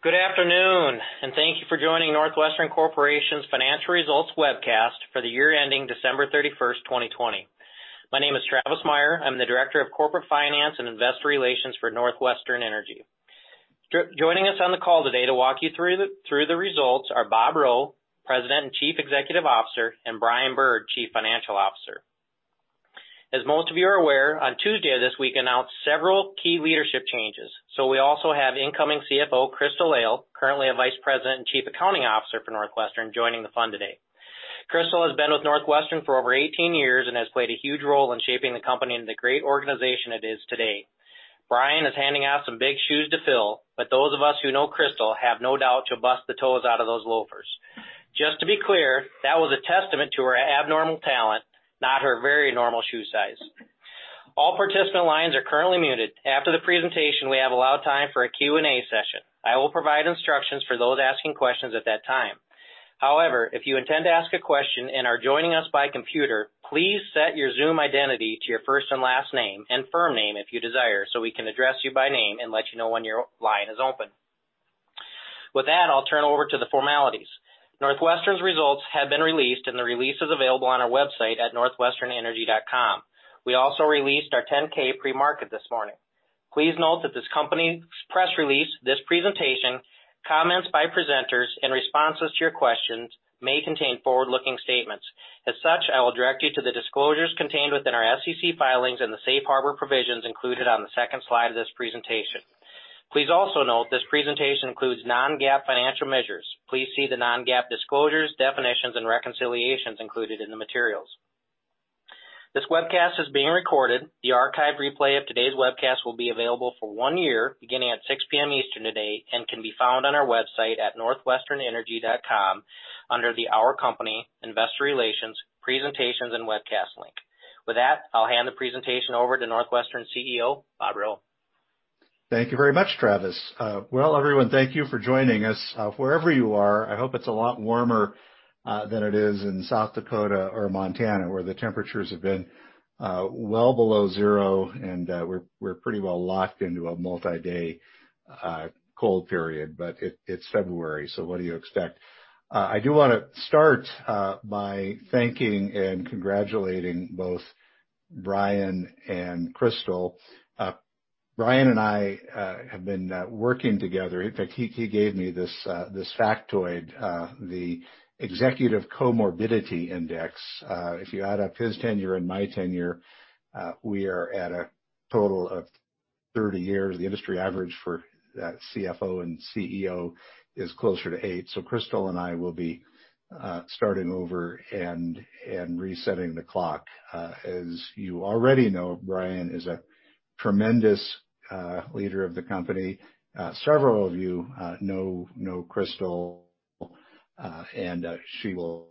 Good afternoon, and thank you for joining NorthWestern Corporation's financial results webcast for the year ending December 31st, 2020. My name is Travis Meyer. I'm the Director of Corporate Finance and Investor Relations for NorthWestern Energy. Joining us on the call today to walk you through the results are Bob Rowe, President and Chief Executive Officer, and Brian Bird, Chief Financial Officer. As most of you are aware, on Tuesday this week, we announced several key leadership changes. We also have incoming CFO, Crystal Lail, currently a Vice President and Chief Accounting Officer for NorthWestern, joining the fun today. Crystal has been with NorthWestern for over 18 years and has played a huge role in shaping the company into the great organization it is today. Brian is handing off some big shoes to fill, but those of us who know Crystal have no doubt she'll bust the toes out of those loafers. Just to be clear, that was a testament to her abnormal talent, not her very normal shoe size. NorthWestern's results have been released and the release is available on our website at northwesternenergy.com. We also released our 10-K pre-market this morning. Please note that this company press release, this presentation, comments by presenters and responses to your questions may contain forward-looking statements. As such, I will direct you to the disclosures contained within our SEC filings and the Safe Harbor Provisions included on the second slide of this presentation. Please also note this presentation includes non-GAAP financial measures. Please see the non-GAAP disclosures, definitions, and reconciliations included in the materials. This webcast is being recorded. The archive replay of today's webcast will be available for one year beginning at 6:00 P.M. Eastern today and can be found on our website at northwesternenergy.com under the Our Company, Investor Relations, Presentations and Webcast link. With that, I'll hand the presentation over to NorthWestern CEO, Bob Rowe. Thank you very much, Travis. Well, everyone, thank you for joining us. Wherever you are, I hope it's a lot warmer, than it is in South Dakota or Montana, where the temperatures have been well below zero and we're pretty well locked into a multi-day cold period. It's February, so what do you expect? I do want to start by thanking and congratulating both Brian and Crystal. Brian and I have been working together. In fact, he gave me this factoid, the Executive Comorbidity Index. If you add up his tenure and my tenure, we are at a total of 30 years. The industry average for CFO and CEO is closer to eight. Crystal and I will be starting over and resetting the clock. As you already know, Brian is a tremendous leader of the company. Several of you know Crystal, and she will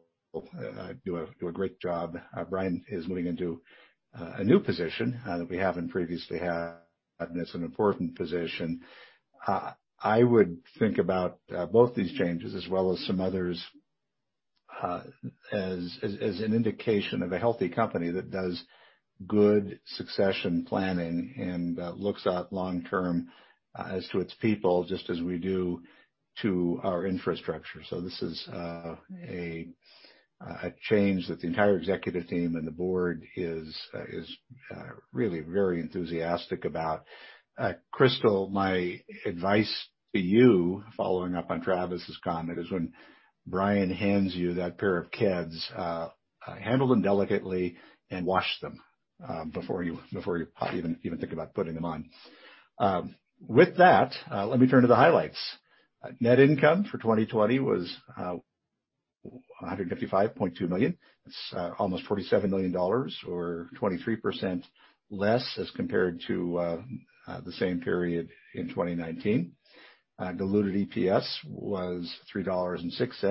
do a great job. Brian is moving into a new position that we haven't previously had, and it's an important position. I would think about both these changes as well as some others as an indication of a healthy company that does good succession planning and looks out long-term as to its people, just as we do to our infrastructure. This is a change that the entire executive team and the board is really very enthusiastic about. Crystal, my advice to you, following up on Travis's comment, is when Brian hands you that pair of Keds, handle them delicately and wash them before you even think about putting them on. With that, let me turn to the highlights. Net income for 2020 was $155.2 million. That's almost $47 million or 23% less as compared to the same period in 2019. Diluted EPS was $3.06,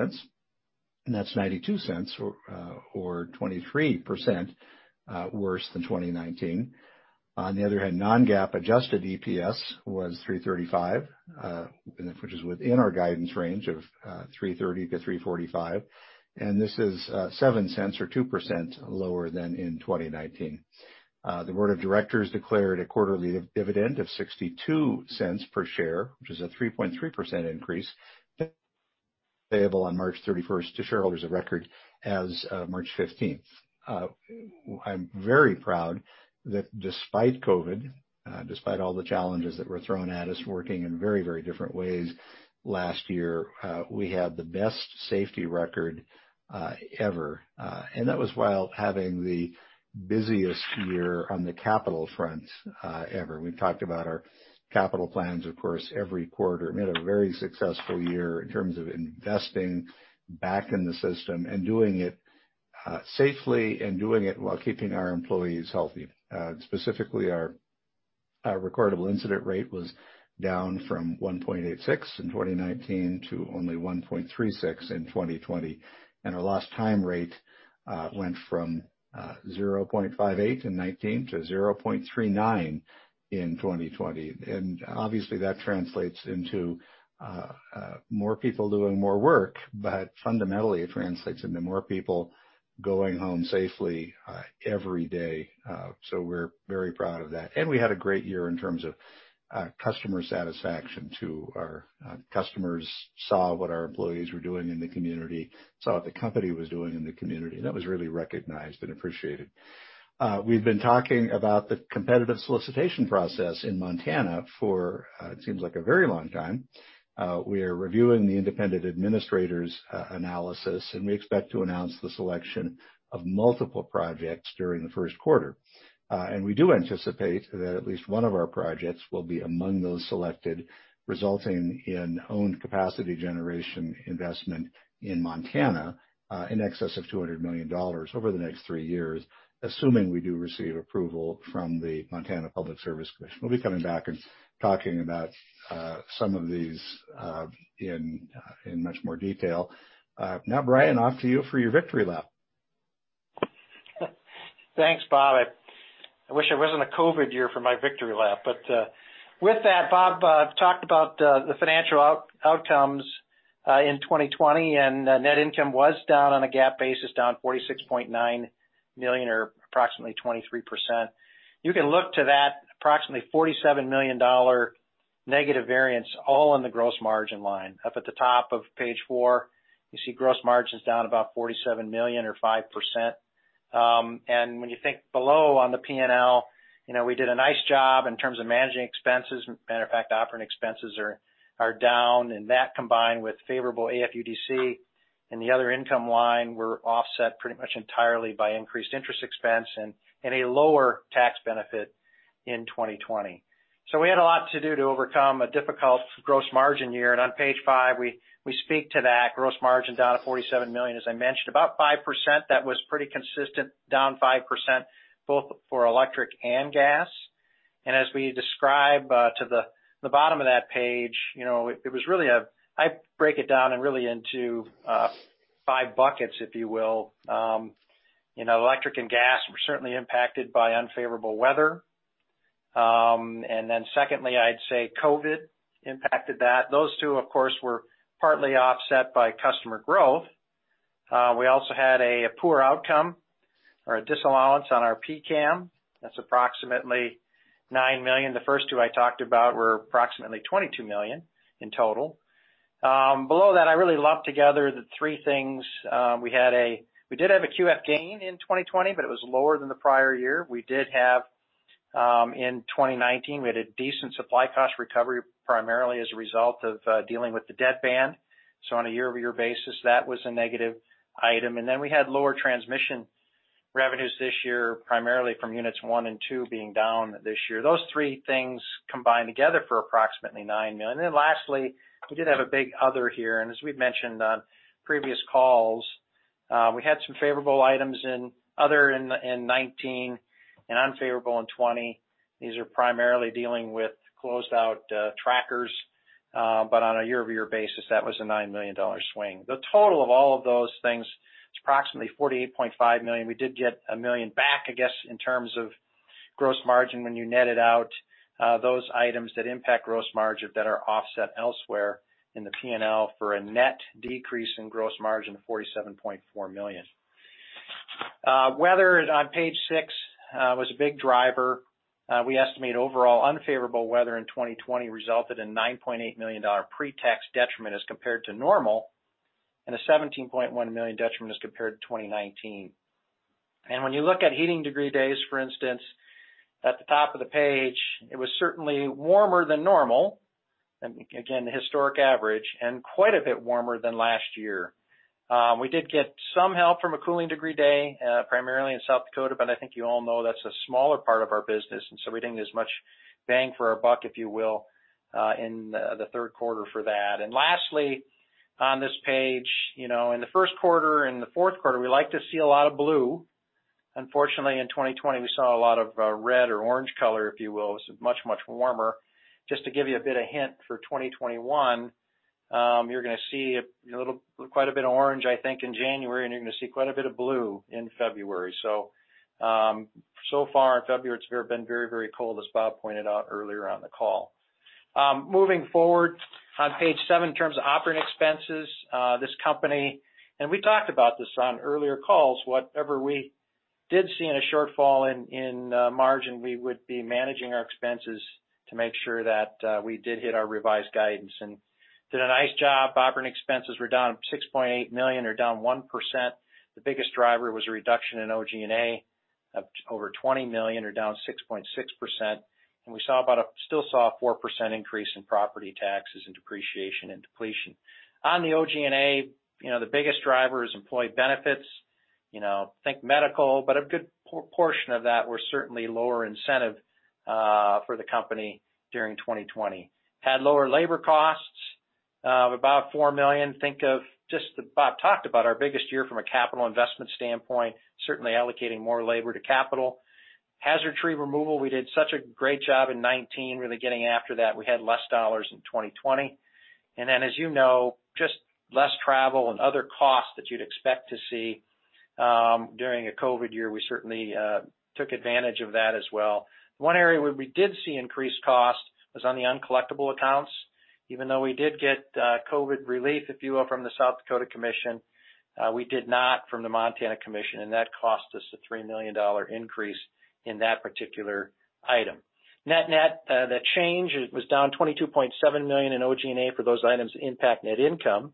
and that's $0.92 or 23% worse than 2019. On the other hand, non-GAAP adjusted EPS was $3.35, which is within our guidance range of $3.30-$3.45, this is $0.07 or 2% lower than in 2019. The board of directors declared a quarterly dividend of $0.62 per share, which is a 3.3% increase, payable on March 31st to shareholders of record as of March 15th. I'm very proud that despite COVID, despite all the challenges that were thrown at us, working in very different ways last year, we had the best safety record ever. That was while having the busiest year on the capital front ever. We've talked about our capital plans, of course, every quarter. We had a very successful year in terms of investing back in the system and doing it safely and doing it while keeping our employees healthy. Specifically, our recordable incident rate was down from 1.86 in 2019 to only 1.36 in 2020, and our lost time rate went from 0.58 in 2019 to 0.39 in 2020. Obviously, that translates into more people doing more work, but fundamentally it translates into more people going home safely every day. We're very proud of that. We had a great year in terms of customer satisfaction too. Our customers saw what our employees were doing in the community, saw what the company was doing in the community, and that was really recognized and appreciated. We've been talking about the competitive solicitation process in Montana for, it seems like a very long time. We are reviewing the independent administrator's analysis, and we expect to announce the selection of multiple projects during the first quarter. We do anticipate that at least one of our projects will be among those selected, resulting in owned capacity generation investment in Montana in excess of $200 million over the next three years, assuming we do receive approval from the Montana Public Service Commission. We'll be coming back and talking about some of these in much more detail. Brian, off to you for your victory lap. Thanks, Bob. I wish it wasn't a COVID year for my victory lap. With that, Bob talked about the financial outcomes in 2020, and net income was down on a GAAP basis, down $46.9 million or approximately 23%. You can look to that approximately $47 million negative variance, all in the gross margin line. Up at the top of page four, you see gross margin's down about $47 million or 5%. When you think below on the P&L, we did a nice job in terms of managing expenses. Matter of fact, operating expenses are down, and that combined with favorable AFUDC and the other income line, were offset pretty much entirely by increased interest expense and a lower tax benefit in 2020. We had a lot to do to overcome a difficult gross margin year. On page five, we speak to that. Gross margin down to $47 million, as I mentioned, about 5%. That was pretty consistent, down 5%, both for electric and gas. As we describe to the bottom of that page, I break it down into five buckets, if you will. Electric and gas were certainly impacted by unfavorable weather. Secondly, I'd say COVID impacted that. Those two, of course, were partly offset by customer growth. We also had a poor outcome or a disallowance on our PCAM. That's approximately $9 million. The first two I talked about were approximately $22 million in total. Below that, I really lumped together the three things. We did have a QF gain in 2020, but it was lower than the prior year. We did have, in 2019, we had a decent supply cost recovery, primarily as a result of dealing with the deadband. On a year-over-year basis, that was a negative item. We had lower transmission revenues this year, primarily from units one and two being down this year. Those three things combined together for approximately $9 million. Lastly, we did have a big other here, and as we've mentioned on previous calls, we had some favorable items in other in 2019, and unfavorable in 2020. These are primarily dealing with closed-out trackers. On a year-over-year basis, that was a $9 million swing. The total of all of those things is approximately $48.5 million. We did get $1 million back, I guess, in terms of gross margin when you net it out, those items that impact gross margin that are offset elsewhere in the P&L for a net decrease in gross margin of $47.4 million. Weather, on page six, was a big driver. We estimate overall unfavorable weather in 2020 resulted in $9.8 million pre-tax detriment as compared to normal, and a $17.1 million detriment as compared to 2019. When you look at heating degree days, for instance, at the top of the page, it was certainly warmer than normal, and again, the historic average, and quite a bit warmer than last year. We did get some help from a cooling degree day, primarily in South Dakota, but I think you all know that's a smaller part of our business, and so we didn't get as much bang for our buck, if you will, in the third quarter for that. Lastly, on this page, in the first quarter and the fourth quarter, we like to see a lot of blue. Unfortunately, in 2020, we saw a lot of red or orcange color, if you will. Much, much warmer. Just to give you a bit of hint for 2021, you're going to see quite a bit of orange, I think, in January, and you're going to see quite a bit of blue in February. Far in February, it's been very cold, as Bob pointed out earlier on the call. Moving forward, on page seven, in terms of operating expenses, this company, and we talked about this on earlier calls, whatever we did see in a shortfall in margin, we would be managing our expenses to make sure that we did hit our revised guidance and did a nice job. Operating expenses were down $6.8 million or down 1%. The biggest driver was a reduction in OG&A of over $20 million or down 6.6%. We still saw a 4% increase in property taxes and depreciation and depletion. On the OG&A, the biggest driver is employee benefits. Think medical, but a good portion of that were certainly lower incentive for the company during 2020. Had lower labor costs of about $4 million. Think of just, Bob talked about our biggest year from a capital investment standpoint, certainly allocating more labor to capital. Hazard tree removal, we did such a great job in 2019, really getting after that. We had less dollars in 2020. As you know, just less travel and other costs that you'd expect to see during a COVID year. We certainly took advantage of that as well. One area where we did see increased cost was on the uncollectible accounts. Even though we did get COVID relief, if you will, from the South Dakota Commission, we did not from the Montana Commission, that cost us a $3 million increase in that particular item. Net change, it was down $22.7 million in OG&A for those items that impact net income.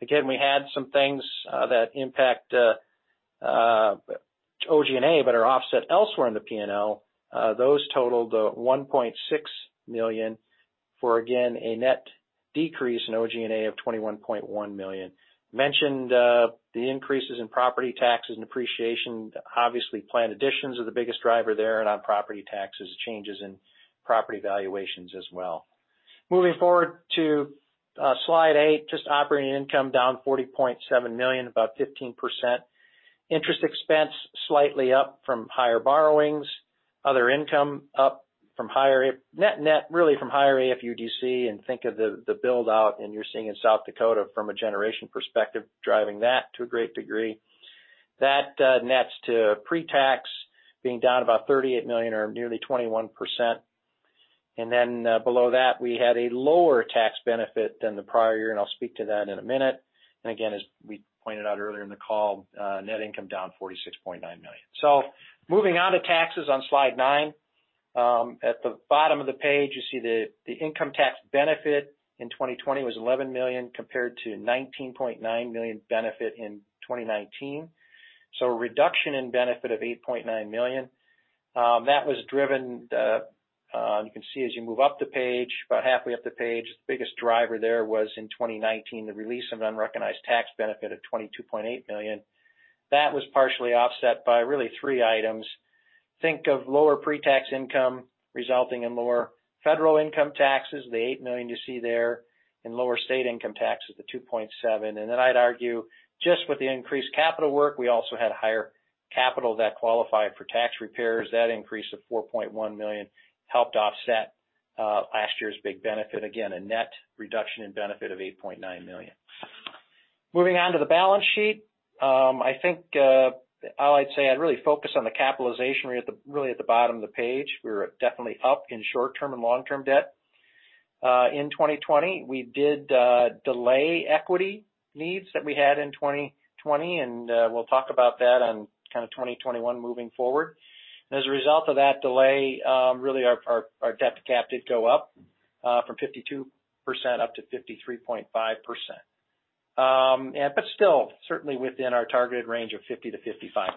We had some things that impact OG&A, but are offset elsewhere in the P&L. Those totaled $1.6 million for a net decrease in OG&A of $21.1 million. Mentioned the increases in property taxes and depreciation. Obviously, planned additions are the biggest driver there, on property taxes, changes in property valuations as well. Moving forward to slide eight, just operating income down $40.7 million, about 15%. Interest expense slightly up from higher borrowings. Other income up from net really from higher AFUDC, think of the build-out, you're seeing in South Dakota from a generation perspective, driving that to a great degree. That nets to pre-tax being down about $38 million or nearly 21%. Below that, we had a lower tax benefit than the prior year, and I'll speak to that in a minute. Again, as we pointed out earlier in the call, net income down $46.9 million. Moving on to taxes on slide nine. At the bottom of the page, you see the income tax benefit in 2020 was $11 million compared to $19.9 million benefit in 2019. A reduction in benefit of $8.9 million. That was driven, you can see as you move up the page, about halfway up the page, the biggest driver there was in 2019, the release of unrecognized tax benefit of $22.8 million. That was partially offset by really three items. Think of lower pre-tax income resulting in lower federal income taxes, the $8 million you see there, and lower state income taxes, the $2.7 million. I'd argue just with the increased capital work, we also had higher capital that qualified for tax repairs. That increase of $4.1 million helped offset last year's big benefit. Again, a net reduction in benefit of $8.9 million. Moving on to the balance sheet. I think all I'd say, I'd really focus on the capitalization really at the bottom of the page. We were definitely up in short-term and long-term debt. In 2020, we did delay equity needs that we had in 2020, and we'll talk about that on kind of 2021 moving forward. As a result of that delay, really our debt to cap did go up from 52% up to 53.5%. Still, certainly within our targeted range of 50%-55%.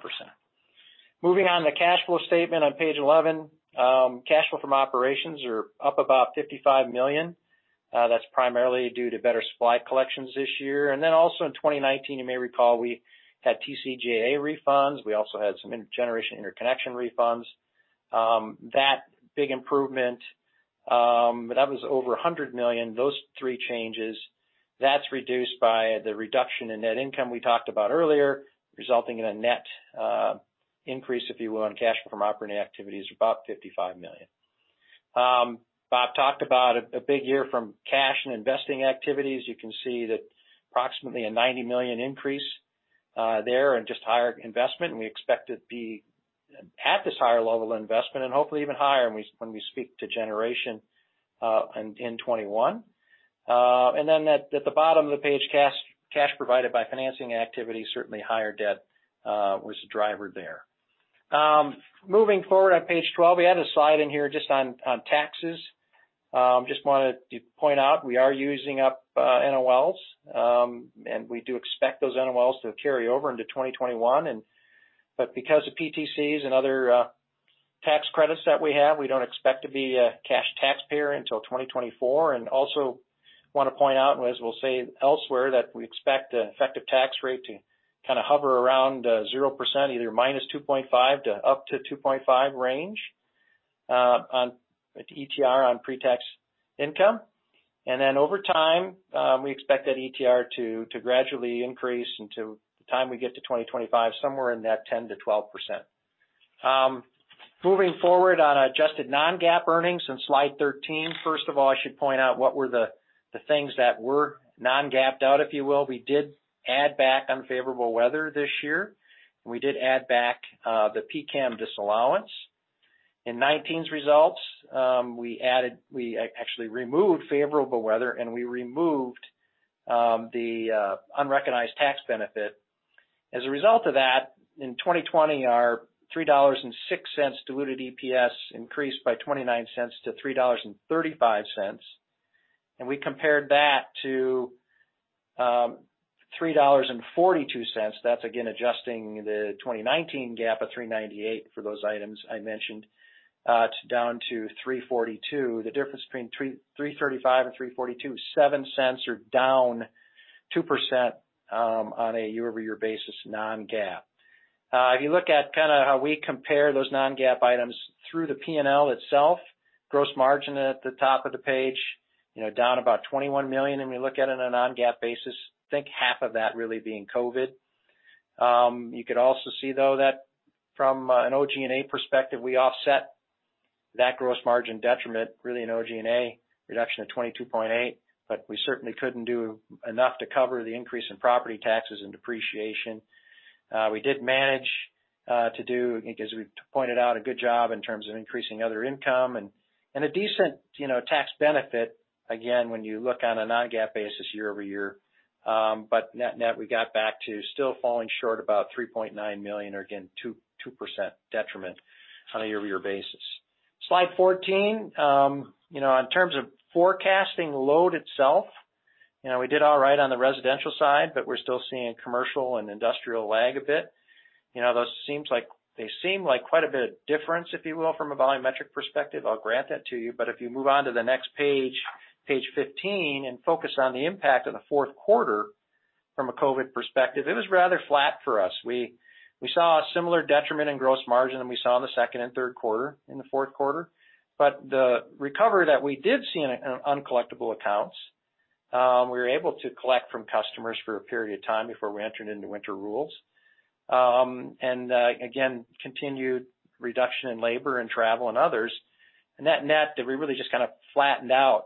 Moving on to the cash flow statement on page 11. Cash flow from operations are up about $55 million. That's primarily due to better supply collections this year. Also in 2019, you may recall we had TCJA refunds. We also had some generation interconnection refunds. That big improvement, that was over $100 million. Those three changes, that's reduced by the reduction in net income we talked about earlier, resulting in a net increase, if you will, on cash from operating activities of about $55 million. Bob talked about a big year from cash and investing activities. You can see that approximately a $90 million increase there in just higher investment, and we expect to be at this higher level investment and hopefully even higher, when we speak to generation in 2021. At the bottom of the page, cash provided by financing activity, certainly higher debt was the driver there. Moving forward on page 12, we had a slide in here just on taxes. Just wanted to point out we are using up NOLs. We do expect those NOLs to carry over into 2021. Because of PTCs and other tax credits that we have, we don't expect to be a cash taxpayer until 2024. Also want to point out, and as we'll say elsewhere, that we expect the effective tax rate to kind of hover around 0%, either -2.5% up to 2.5% range on ETR on pre-tax income. Over time, we expect that ETR to gradually increase until the time we get to 2025, somewhere in that 10%-12%. Moving forward on adjusted non-GAAP earnings on slide 13. First of all, I should point out what were the things that were non-GAAPed out, if you will. We did add back unfavorable weather this year. We did add back the PCAM disallowance. In 2019's results, we actually removed favorable weather. We removed the unrecognized tax benefit. As a result of that, in 2020, our $3.06 diluted EPS increased by $0.29-$3.35. We compared that to $3.42. That's again, adjusting the 2019 GAAP of $3.98 for those items I mentioned down to $3.42. The difference between $3.35 and $3.42, $0.07 or down 2% on a year-over-year basis non-GAAP. If you look at kind of how we compare those non-GAAP items through the P&L itself, gross margin at the top of the page, down about $21 million. We look at it on a non-GAAP basis, think half of that really being COVID. You could also see, though, that from an OG&A perspective, we offset that gross margin detriment really in OG&A, reduction of $22.8, we certainly couldn't do enough to cover the increase in property taxes and depreciation. We did manage to do, I think as we pointed out, a good job in terms of increasing other income and a decent tax benefit, again, when you look on a non-GAAP basis year-over-year. Net net, we got back to still falling short about $3.9 million or again, 2% detriment on a year-over-year basis. Slide 14. In terms of forecasting load itself, we did all right on the residential side, we're still seeing commercial and industrial lag a bit. Those seem like quite a bit of difference, if you will, from a volumetric perspective. I'll grant that to you. If you move on to the next page 15, and focus on the impact of the fourth quarter from a COVID perspective, it was rather flat for us. We saw a similar detriment in gross margin than we saw in the second and third quarter, in the fourth quarter. The recovery that we did see in uncollectible accounts, we were able to collect from customers for a period of time before we entered into winter rules. Again, continued reduction in labor and travel and others. Net-net, that we really just kind of flattened out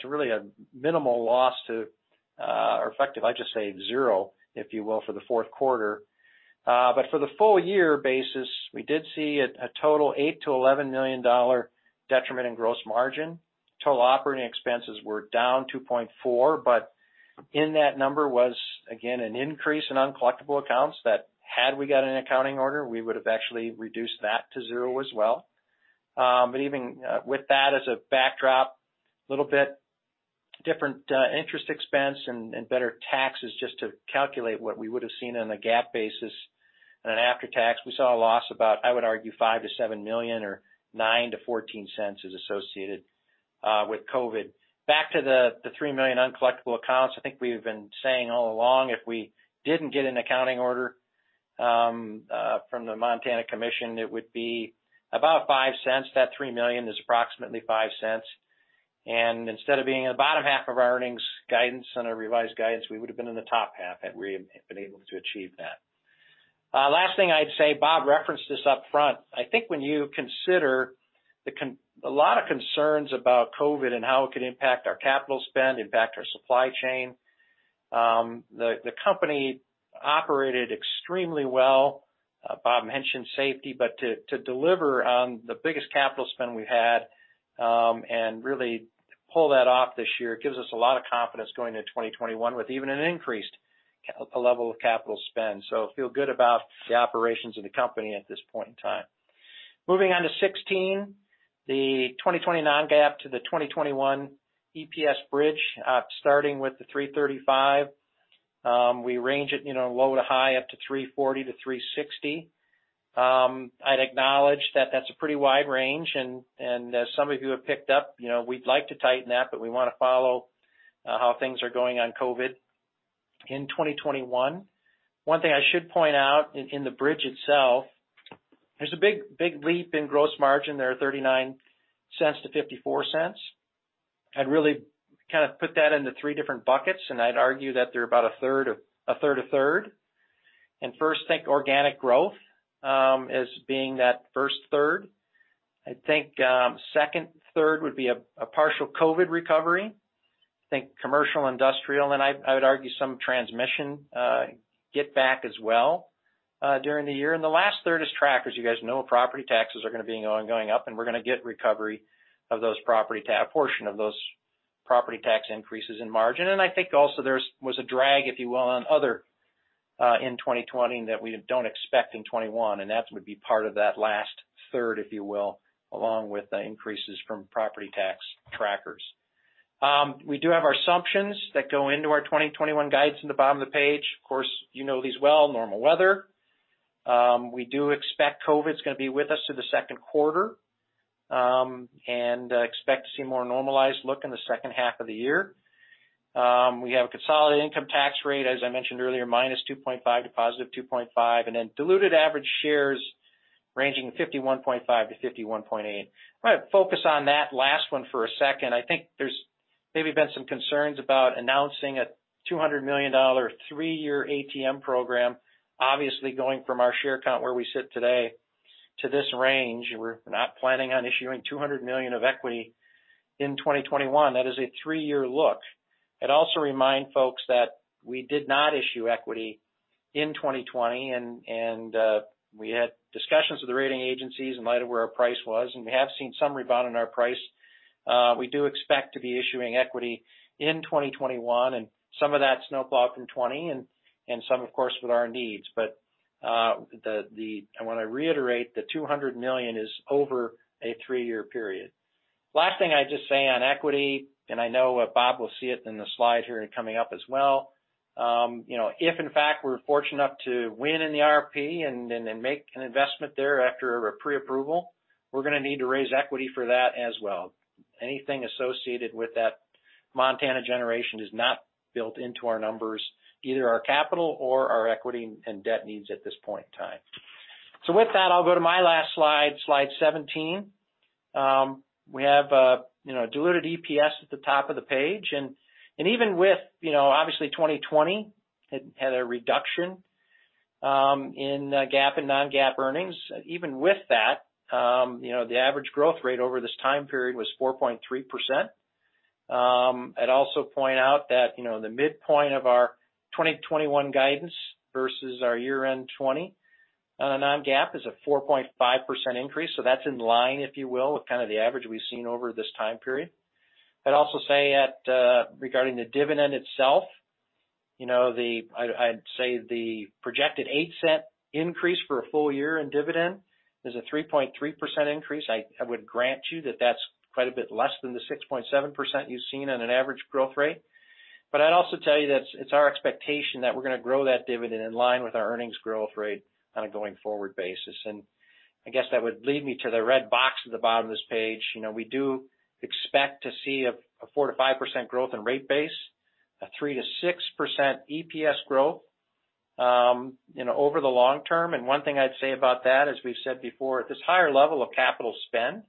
to really a minimal loss to, or effective, I'd just say zero, if you will, for the fourth quarter. For the full year basis, we did see a total $8 million-$11 million detriment in gross margin. Total operating expenses were down 2.4%, but in that number was, again, an increase in uncollectible accounts that had we got an accounting order, we would've actually reduced that to zero as well. Even with that as a backdrop, little bit different interest expense and better taxes just to calculate what we would've seen on a GAAP basis. After tax, we saw a loss about, I would argue, $5 million-$7 million or $0.09-$0.14 is associated with COVID. Back to the $3 million uncollectible accounts. I think we've been saying all along, if we didn't get an accounting order from the Montana Commission, it would be about $0.05. That $3 million is approximately $0.05. Instead of being in the bottom half of our earnings guidance on a revised guidance, we would've been in the top half had we been able to achieve that. Last thing I'd say, Bob referenced this upfront. I think when you consider a lot of concerns about COVID and how it could impact our capital spend, impact our supply chain, the company operated extremely well. Bob mentioned safety. To deliver on the biggest capital spend we've had, and really pull that off this year gives us a lot of confidence going into 2021 with even an increased level of capital spend. Feel good about the operations of the company at this point in time. Moving on to 16, the 2020 non-GAAP to the 2021 EPS bridge, starting with the $3.35. We range it low to high, up to $3.40 to $3.60. I'd acknowledge that that's a pretty wide range and as some of you have picked up, we'd like to tighten that, but we want to follow how things are going on COVID in 2021. One thing I should point out in the bridge itself, there's a big leap in gross margin there, $0.39-$0.54. I'd really kind of put that into three different buckets, and I'd argue that they're about a third, a third, a third. First, think organic growth as being that first third. I think second third would be a partial COVID recovery. Think commercial, industrial, and I would argue some transmission get back as well during the year. The last third is trackers. You guys know property taxes are going to be going up, and we're going to get recovery of a portion of those property tax increases in margin. I think also there was a drag, if you will, on other in 2020 and that we don't expect in 2021, and that would be part of that last third, if you will, along with the increases from property tax trackers. We do have our assumptions that go into our 2021 guidance in the bottom of the page. Of course, you know these well. Normal weather. We do expect COVID's going to be with us to the second quarter, and expect to see a more normalized look in the second half of the year. We have a consolidated income tax rate, as I mentioned earlier, -2.5 to +2.5, then diluted average shares ranging 51.5-51.8. I'm going to focus on that last one for a second. I think there's maybe been some concerns about announcing a $200 million three-year ATM program. Obviously going from our share count where we sit today to this range, we're not planning on issuing $200 million of equity in 2021. That is a three-year look. I'd also remind folks that we did not issue equity in 2020 and we had discussions with the rating agencies in light of where our price was, and we have seen some rebound in our price. We do expect to be issuing equity in 2021, and some of that's snowplowed from 2020, and some, of course, with our needs. I want to reiterate, the $200 million is over a three-year period. Last thing I'd just say on equity, and I know Bob will see it in the slide here coming up as well. If in fact we're fortunate enough to win in the IRP and make an investment there after a pre-approval, we're going to need to raise equity for that as well. Anything associated with that Montana generation is not built into our numbers, either our capital or our equity and debt needs at this point in time. I'll go to my last slide 17. We have diluted EPS at the top of the page. Even with obviously 2020 had a reduction in GAAP and non-GAAP earnings. Even with that, the average growth rate over this time period was 4.3%. I'd also point out that the midpoint of our 2021 guidance versus our year-end 2020 on a non-GAAP is a 4.5% increase, that's in line, if you will, with kind of the average we've seen over this time period. I'd also say that regarding the dividend itself, I'd say the projected $0.08 increase for a full year in dividend is a 3.3% increase. I would grant you that that's quite a bit less than the 6.7% you've seen on an average growth rate. I'd also tell you that it's our expectation that we're going to grow that dividend in line with our earnings growth rate on a going forward basis. I guess that would lead me to the red box at the bottom of this page. We do expect to see a 4%-5% growth in rate base, a 3%-6% EPS growth, over the long term. One thing I'd say about that, as we've said before, this higher level of capital spend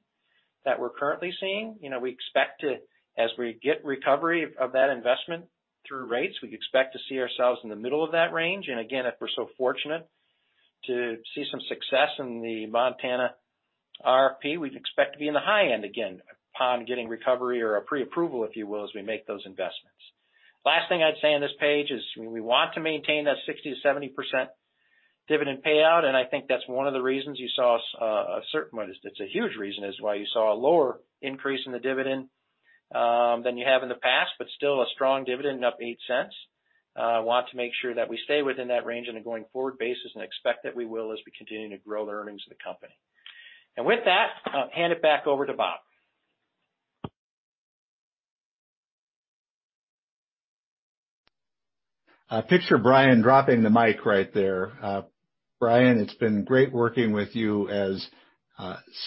that we're currently seeing, as we get recovery of that investment through rates, we expect to see ourselves in the middle of that range. Again, if we're so fortunate to see some success in the Montana RFP, we'd expect to be in the high end again upon getting recovery or a pre-approval, if you will, as we make those investments. Last thing I'd say on this page is we want to maintain that 60%-70% dividend payout, and I think that's one of the reasons you saw a lower increase in the dividend, than you have in the past, but still a strong dividend up $0.08. Want to make sure that we stay within that range on a going forward basis and expect that we will as we continue to grow the earnings of the company. With that, I'll hand it back over to Bob. I picture Brian dropping the mic right there. Brian, it's been great working with you as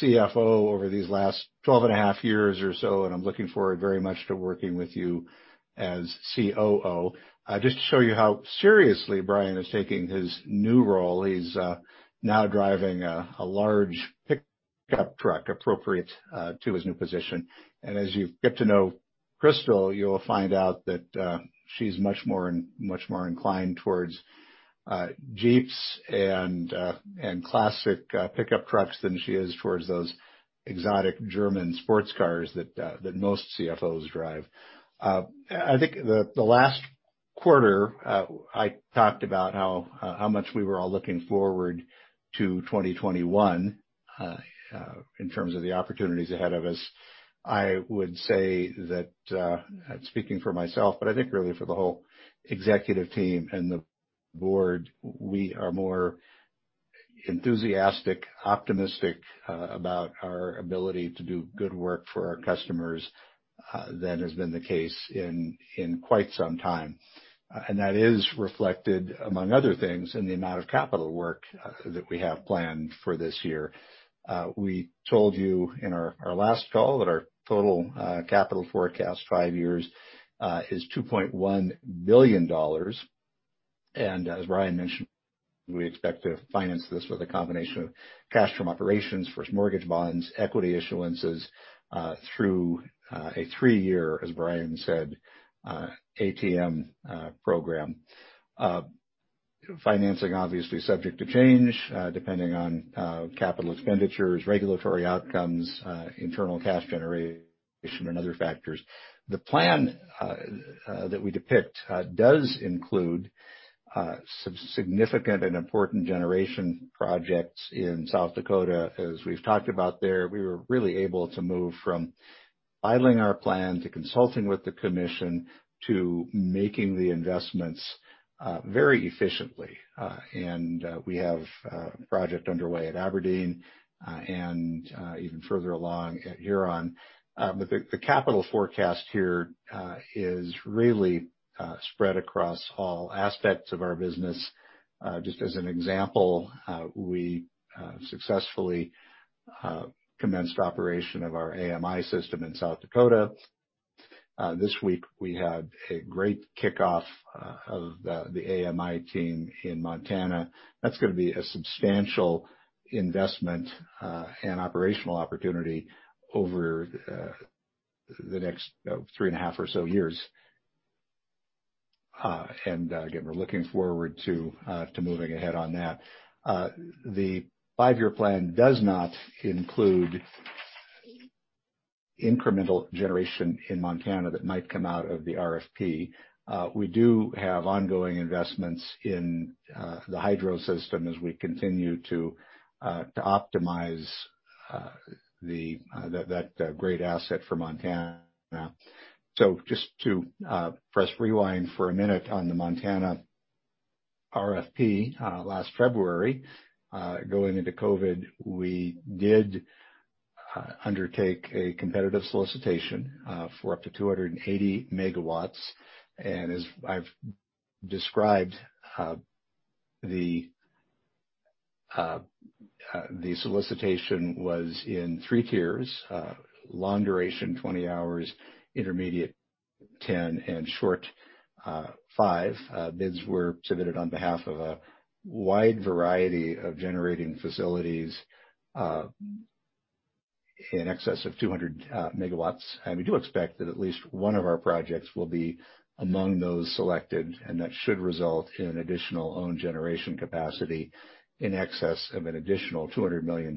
CFO over these last 12 and a half years or so. I'm looking forward very much to working with you as COO. Just to show you how seriously Brian is taking his new role, he's now driving a large pickup truck appropriate to his new position. As you get to know Crystal, you'll find out that she's much more inclined towards Jeeps and classic pickup trucks than she is towards those exotic German sports cars that most CFOs drive. I think the last quarter, I talked about how much we were all looking forward to 2021, in terms of the opportunities ahead of us. I would say that, speaking for myself, but I think really for the whole executive team and the board, we are more enthusiastic, optimistic about our ability to do good work for our customers than has been the case in quite some time. That is reflected, among other things, in the amount of capital work that we have planned for this year. We told you in our last call that our total capital forecast, five years, is $2.1 billion. As Brian mentioned, we expect to finance this with a combination of cash from operations, first mortgage bonds, equity issuances, through a three-year, as Brian said, ATM program. Financing obviously subject to change, depending on capital expenditures, regulatory outcomes, internal cash generation, and other factors. The plan that we depict does include some significant and important generation projects in South Dakota. As we've talked about there, we were really able to move from filing our plan to consulting with the commission to making the investments very efficiently. We have a project underway at Aberdeen, and even further along at Huron. The capital forecast here is really spread across all aspects of our business. Just as an example, we successfully commenced operation of our AMI system in South Dakota. This week, we had a great kickoff of the AMI team in Montana. That's going to be a substantial investment and operational opportunity over the next three and a half or so years. Again, we're looking forward to moving ahead on that. The five-year plan does not include incremental generation in Montana that might come out of the RFP. We do have ongoing investments in the hydro system as we continue to optimize that great asset for Montana. Just to press rewind for a minute on the Montana RFP. Last February, going into COVID, we did undertake a competitive solicitation for up to 280 MW. As I've described, the solicitation was in three tiers: long duration, 20 hours; intermediate, 10; and short, five. Bids were submitted on behalf of a wide variety of generating facilities. In excess of 200 MW. We do expect that at least one of our projects will be among those selected, and that should result in additional own generation capacity in excess of an additional $200 million.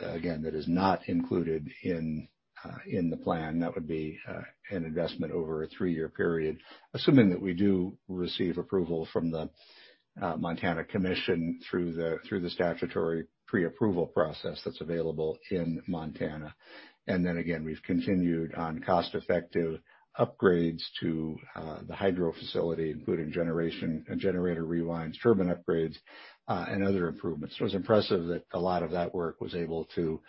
Again, that is not included in the plan. That would be an investment over a three-year period, assuming that we do receive approval from the Montana Commission through the statutory pre-approval process that's available in Montana. Then again, we've continued on cost-effective upgrades to the hydro facility, including generator rewinds, turbine upgrades, and other improvements. It was impressive that a lot of that work was able to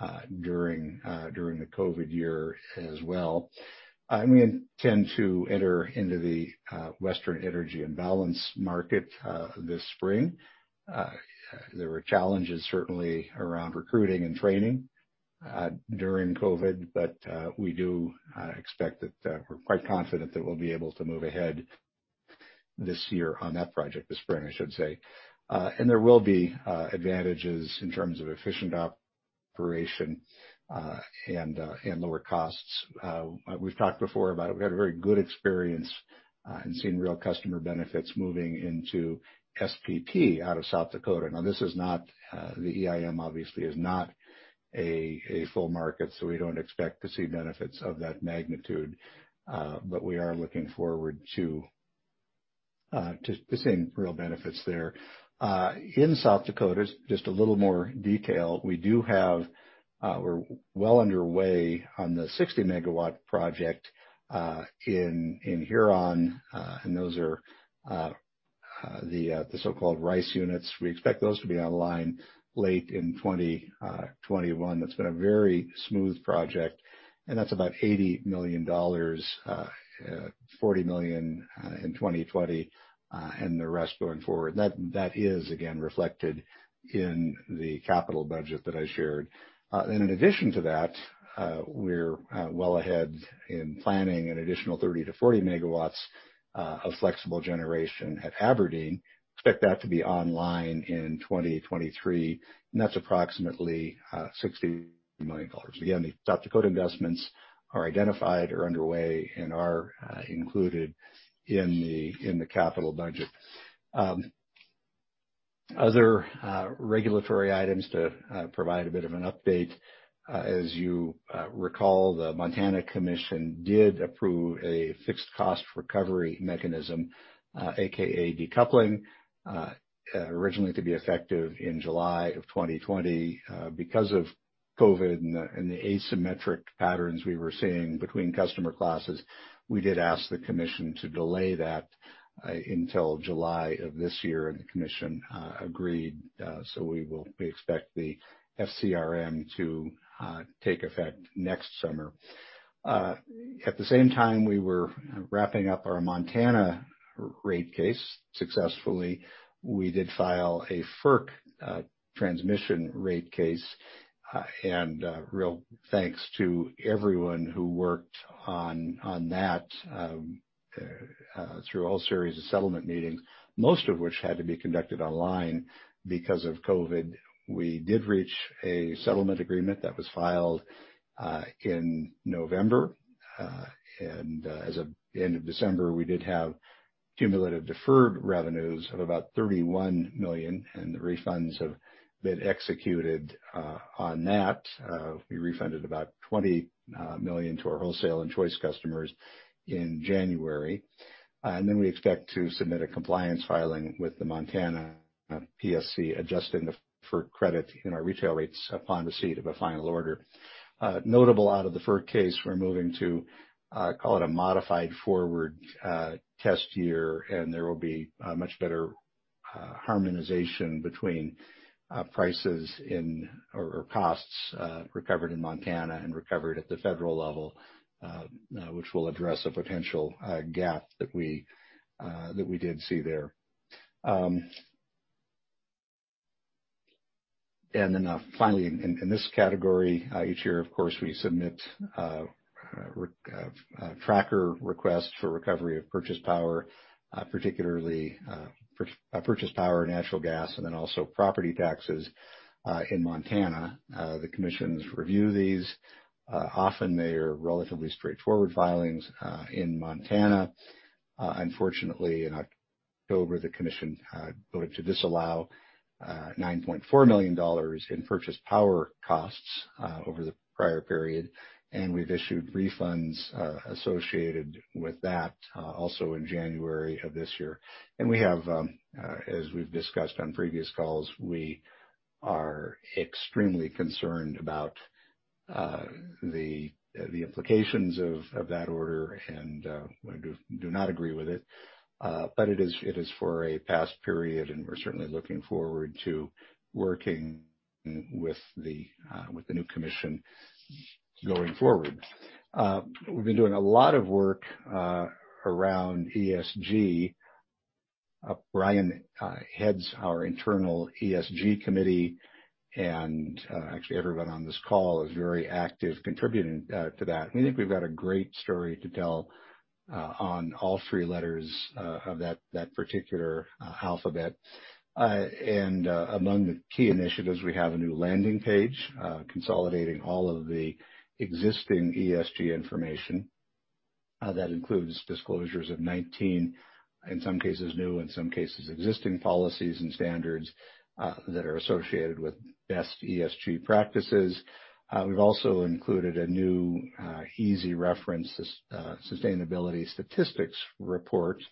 go forward during the COVID year as well. We intend to enter into the Western Energy Imbalance Market this spring. There were challenges certainly around recruiting and training during COVID, but we do expect that We're quite confident that we'll be able to move ahead this year on that project, this spring, I should say. There will be advantages in terms of efficient operation, and lower costs. We've talked before about it. We had a very good experience in seeing real customer benefits moving into SPP out of South Dakota. The EIM obviously is not a full market, so we don't expect to see benefits of that magnitude. We are looking forward to seeing real benefits there. In South Dakota, just a little more detail, we're well underway on the 60 MW project in Huron, and those are the so-called RICE units. We expect those to be online late in 2021. That's been a very smooth project, and that's about $80 million. $40 million in 2020, and the rest going forward. That is, again, reflected in the capital budget that I shared. In addition to that, we're well ahead in planning an additional 30 MW-40 MW of flexible generation at Aberdeen. Expect that to be online in 2023, and that's approximately $60 million. Again, the South Dakota investments are identified, are underway, and are included in the capital budget. Other regulatory items to provide a bit of an update. As you recall, the Montana Public Service Commission did approve a fixed cost recovery mechanism, AKA decoupling, originally to be effective in July of 2020. Because of COVID and the asymmetric patterns we were seeing between customer classes, we did ask the Commission to delay that until July of this year, and the Commission agreed. We expect the FCRM to take effect next summer. At the same time, we were wrapping up our Montana rate case successfully. We did file a FERC transmission rate case, and real thanks to everyone who worked on that through a whole series of settlement meetings, most of which had to be conducted online because of COVID. We did reach a settlement agreement that was filed in November. As of end of December, we did have cumulative deferred revenues of about $31 million, and the refunds have been executed on that. We refunded about $20 million to our wholesale and choice customers in January. We expect to submit a compliance filing with the Montana PSC, adjusting the FERC credit in our retail rates upon receipt of a final order. Notable out of the FERC case, we're moving to call it a modified forward test year, and there will be much better harmonization between prices or costs recovered in Montana and recovered at the federal level, which will address a potential gap that we did see there. Finally, in this category, each year, of course, we submit tracker requests for recovery of purchase power, particularly purchase power, natural gas, and then also property taxes in Montana. The commissions review these. Often, they are relatively straightforward filings in Montana. Unfortunately, in October, the commission voted to disallow $9.4 million in purchased power costs over the prior period. We've issued refunds associated with that also in January of this year. We have, as we've discussed on previous calls, we are extremely concerned about the implications of that order and do not agree with it. It is for a past period, and we're certainly looking forward to working with the new commission going forward. We've been doing a lot of work around ESG. Brian heads our internal ESG committee, and actually, everyone on this call is very active contributing to that. We think we've got a great story to tell on all three letters of that particular alphabet. Among the key initiatives, we have a new landing page consolidating all of the existing ESG information. That includes disclosures of 19, in some cases new, in some cases existing, policies and standards that are associated with best ESG practices. We've also included a new easy reference sustainability statistics report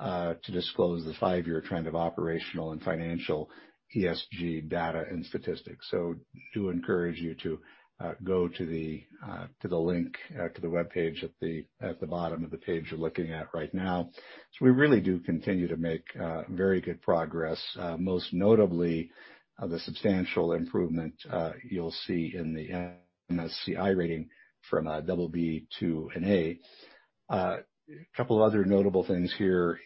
to disclose the five-year trend of operational and financial ESG data and statistics. Do encourage you to go to the link to the webpage at the bottom of the page you're looking at right now. We really do continue to make very good progress, most notably the substantial improvement you'll see in the MSCI rating from a double B to an A. A couple of other notable things here,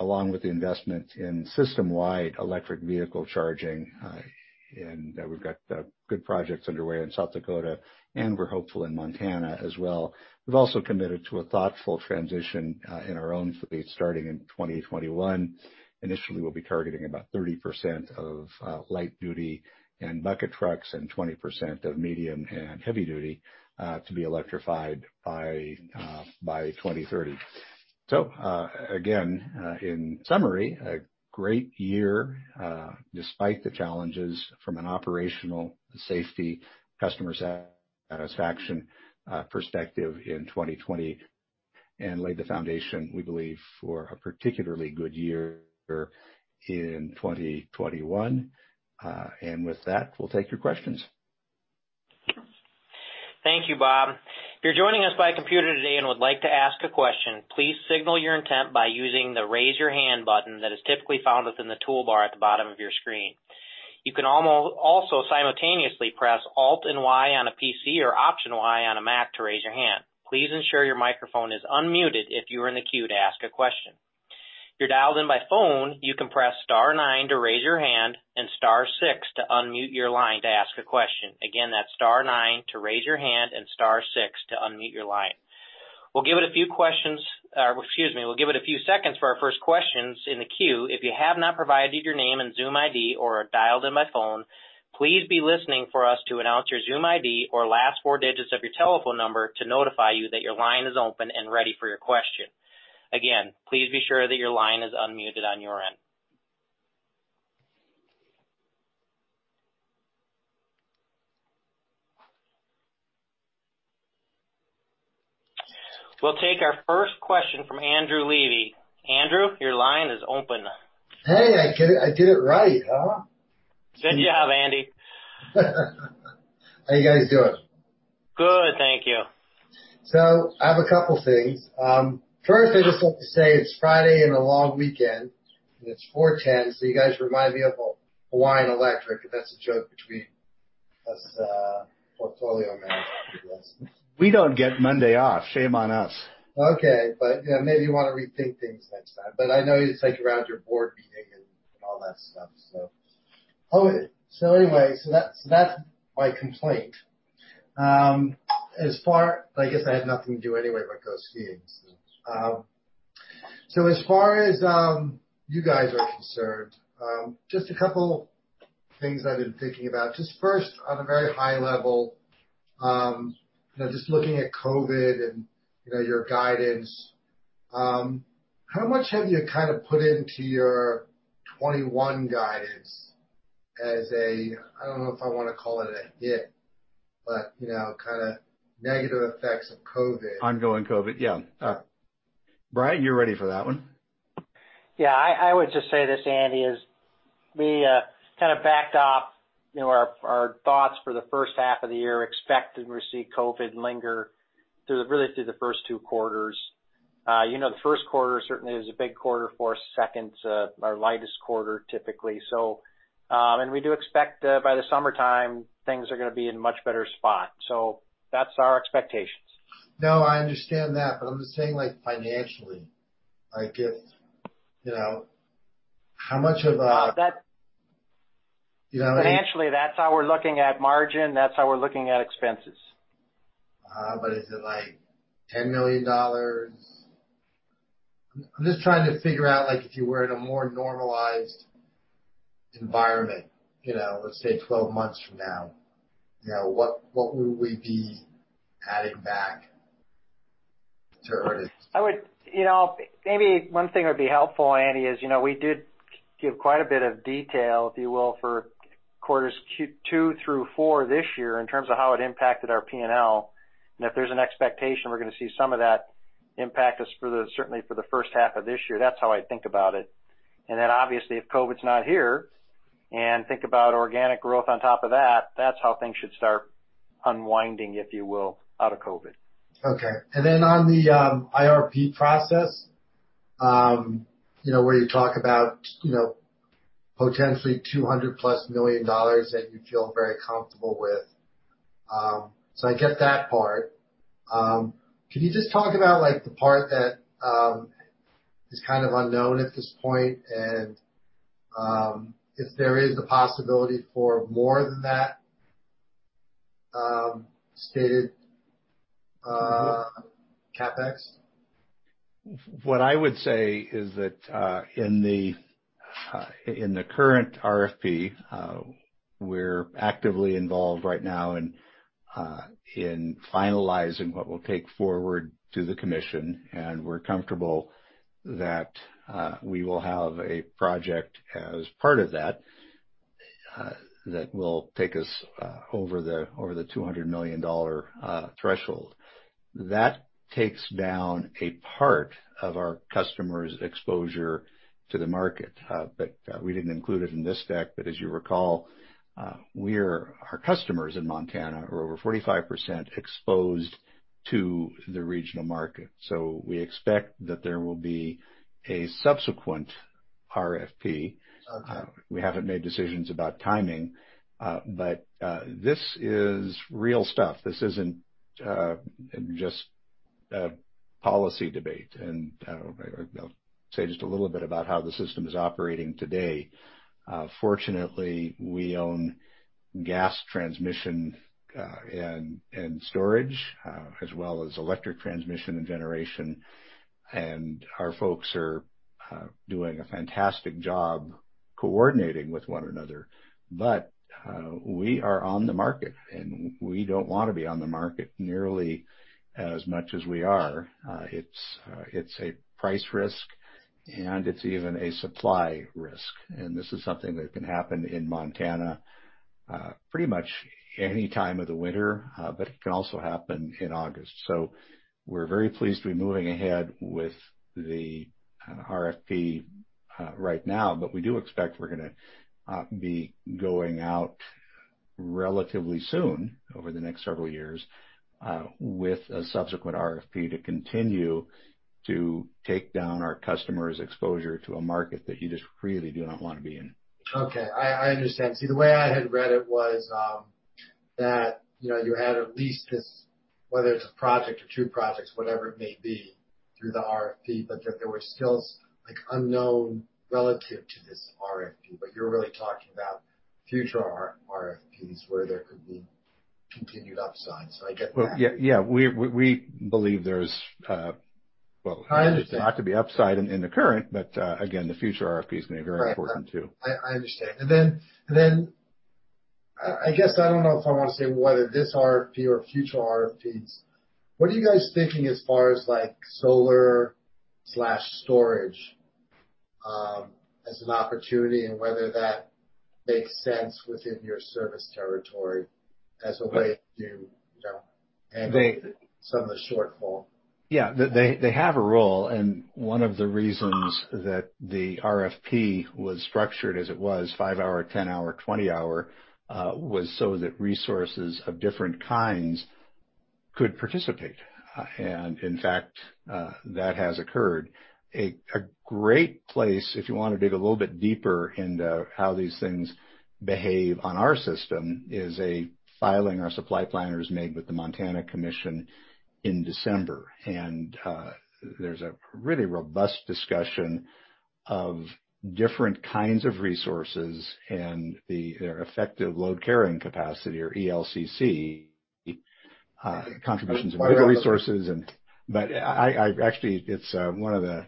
along with the investment in system-wide electric vehicle charging in that we've got good projects underway in South Dakota, and we're hopeful in Montana as well. We've also committed to a thoughtful transition in our own fleet starting in 2021. Initially, we'll be targeting about 30% of light-duty and bucket trucks and 20% of medium and heavy-duty to be electrified by 2030. Again, in summary, a great year despite the challenges from an operational safety, customer satisfaction perspective in 2020, and laid the foundation, we believe, for a particularly good year in 2021. With that, we'll take your questions. Thank you, Bob. If you're joining us by computer today and would like to ask a question, please signal your intent by using the raise your hand button that is typically found within the toolbar at the bottom of your screen. You can also simultaneously press Alt and Y on a PC or Option Y on a Mac to raise your hand. Please ensure your microphone is unmuted if you are in the queue to ask a question. If you're dialed in by phone, you can press star nine to raise your hand and star six to unmute your line to ask a question. Again, that's star nine to raise your hand and star six to unmute your line. We'll give it a few seconds for our first questions in the queue. If you have not provided your name and Zoom ID or dialed in by phone, please be listening for us to announce your Zoom ID or last four digits of your telephone number to notify you that your line is open and ready for your question. Again, please be sure that your line is unmuted on your end. We'll take our first question from Andrew Levi. Andrew, your line is open. Hey, I did it right, huh? Good job, Andy. How you guys doing? Good, thank you. I have a couple things. First, I just want to say it's Friday and a long weekend, and it's 4:10 P.M. You guys remind me of Hawaiian Electric. That's a joke between us portfolio managers. We don't get Monday off, shame on us. Okay. Maybe you want to rethink things next time. I know you have to round your board meeting and all that stuff. Anyway, that's my complaint. I guess that had nothing to do anyway but go skiing. As far as you guys are concerned, just a couple things I've been thinking about. Just first, on a very high level, just looking at COVID and your guidance. How much have you put into your 2021 guidance as a, I don't know if I want to call it a hit, but kind of negative effects of COVID. Ongoing COVID, yeah. All right. Brian, you're ready for that one? Yeah. I would just say this, Andy, is we kind of backed up our thoughts for the first half of the year, expect to receive COVID linger really through the first two quarters. The first quarter certainly is a big quarter for us. Second's our lightest quarter, typically. We do expect by the summertime, things are going to be in a much better spot. That's our expectations. No, I understand that, but I'm just saying like financially. Financially, that's how we're looking at margin, that's how we're looking at expenses. Is it like $10 million? I'm just trying to figure out if you were in a more normalized environment, let's say 12 months from now, what would we be adding back to earnings? Maybe one thing that would be helpful, Andy, is we did give quite a bit of detail, if you will, for quarters Q2 through four this year in terms of how it impacted our P&L, and if there's an expectation we're going to see some of that impact us certainly for the first half of this year. That's how I think about it. Obviously if COVID's not here and think about organic growth on top of that's how things should start unwinding, if you will, out of COVID. Okay. On the IRP process, where you talk about potentially $200+ million that you feel very comfortable with. I get that part. Can you just talk about the part that is kind of unknown at this point and if there is the possibility for more than that stated CapEx? What I would say is that in the current RFP, we're actively involved right now in finalizing what we'll take forward to the commission, and we're comfortable that we will have a project as part of that will take us over the $200 million threshold. That takes down a part of our customers' exposure to the market. We didn't include it in this deck, but as you recall, our customers in Montana are over 45% exposed to the regional market. We expect that there will be a subsequent RFP. Okay. We haven't made decisions about timing, but this is real stuff. This isn't just a policy debate. I'll say just a little bit about how the system is operating today. Fortunately, we own gas transmission and storage, as well as electric transmission and generation. Our folks are doing a fantastic job coordinating with one another. We are on the market, and we don't want to be on the market nearly as much as we are. It's a price risk, and it's even a supply risk. This is something that can happen in Montana pretty much any time of the winter, but it can also happen in August. We're very pleased to be moving ahead with the RFP right now, but we do expect we're going to be going out relatively soon over the next several years, with a subsequent RFP to continue to take down our customers' exposure to a market that you just really do not want to be in. Okay. I understand. The way I had read it was that you had at least this, whether it's a project or two projects, whatever it may be, through the RFP, but that there were still unknown relative to this RFP. You're really talking about future RFPs where there could be continued upside. I get that. Well, yeah. I understand. Not to be upside in the current, but again, the future RFP is going to be very important too. I understand. Then I guess I don't know if I want to say whether this RFP or future RFPs, what are you guys thinking as far as solar/storage, as an opportunity and whether that makes sense within your service territory as a way to handle some of the shortfall? Yeah. They have a role, one of the reasons that the RFP was structured as it was five-hour, 10-hour, 20-hour, was so that resources of different kinds could participate. In fact, that has occurred. A great place if you want to dig a little bit deeper into how these things behave on our system is a filing our supply planners made with the Montana Commission in December. There's a really robust discussion of different kinds of resources and their effective load carrying capacity or ELCC, contributions of resources. Actually, it's one of the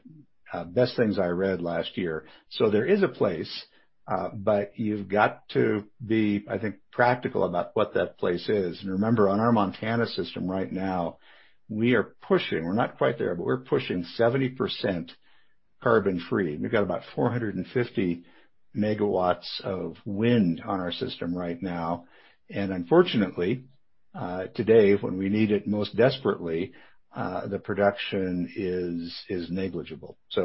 best things I read last year. There is a place, but you've got to be, I think, practical about what that place is. Remember, on our Montana system right now, we are pushing, we're not quite there, but we're pushing 70% carbon free. We've got about 450 MW of wind on our system right now. Unfortunately, today, when we need it most desperately, the production is negligible. It's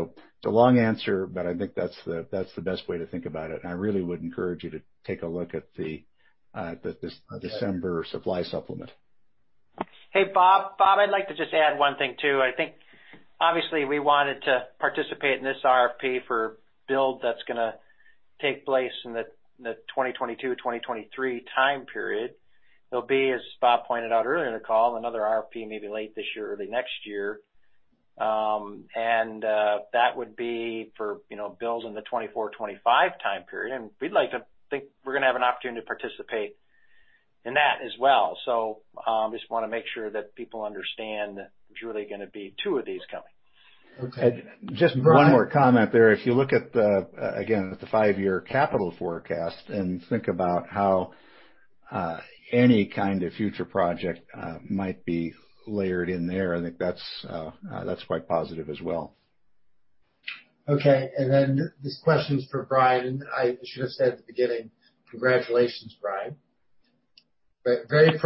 a long answer, but I think that's the best way to think about it, and I really would encourage you to take a look at the December supply supplement. Hey, Bob. Bob, I'd like to just add one thing, too. I think obviously we wanted to participate in this RFP for build that's going to take place in the 2022-2023 time period. There'll be, as Bob pointed out earlier in the call, another RFP maybe late this year, early next year. That would be for builds in the 2024, 2025 time period. We'd like to think we're going to have an opportunity to participate in that as well. Just want to make sure that people understand there's really going to be two of these coming. Okay. Just one more comment there. If you look at the, again, the five-year capital forecast and think about how any kind of future project might be layered in there, I think that's quite positive as well. Okay, then this question is for Brian. I should have said at the beginning, congratulations, Brian. Thanks. Very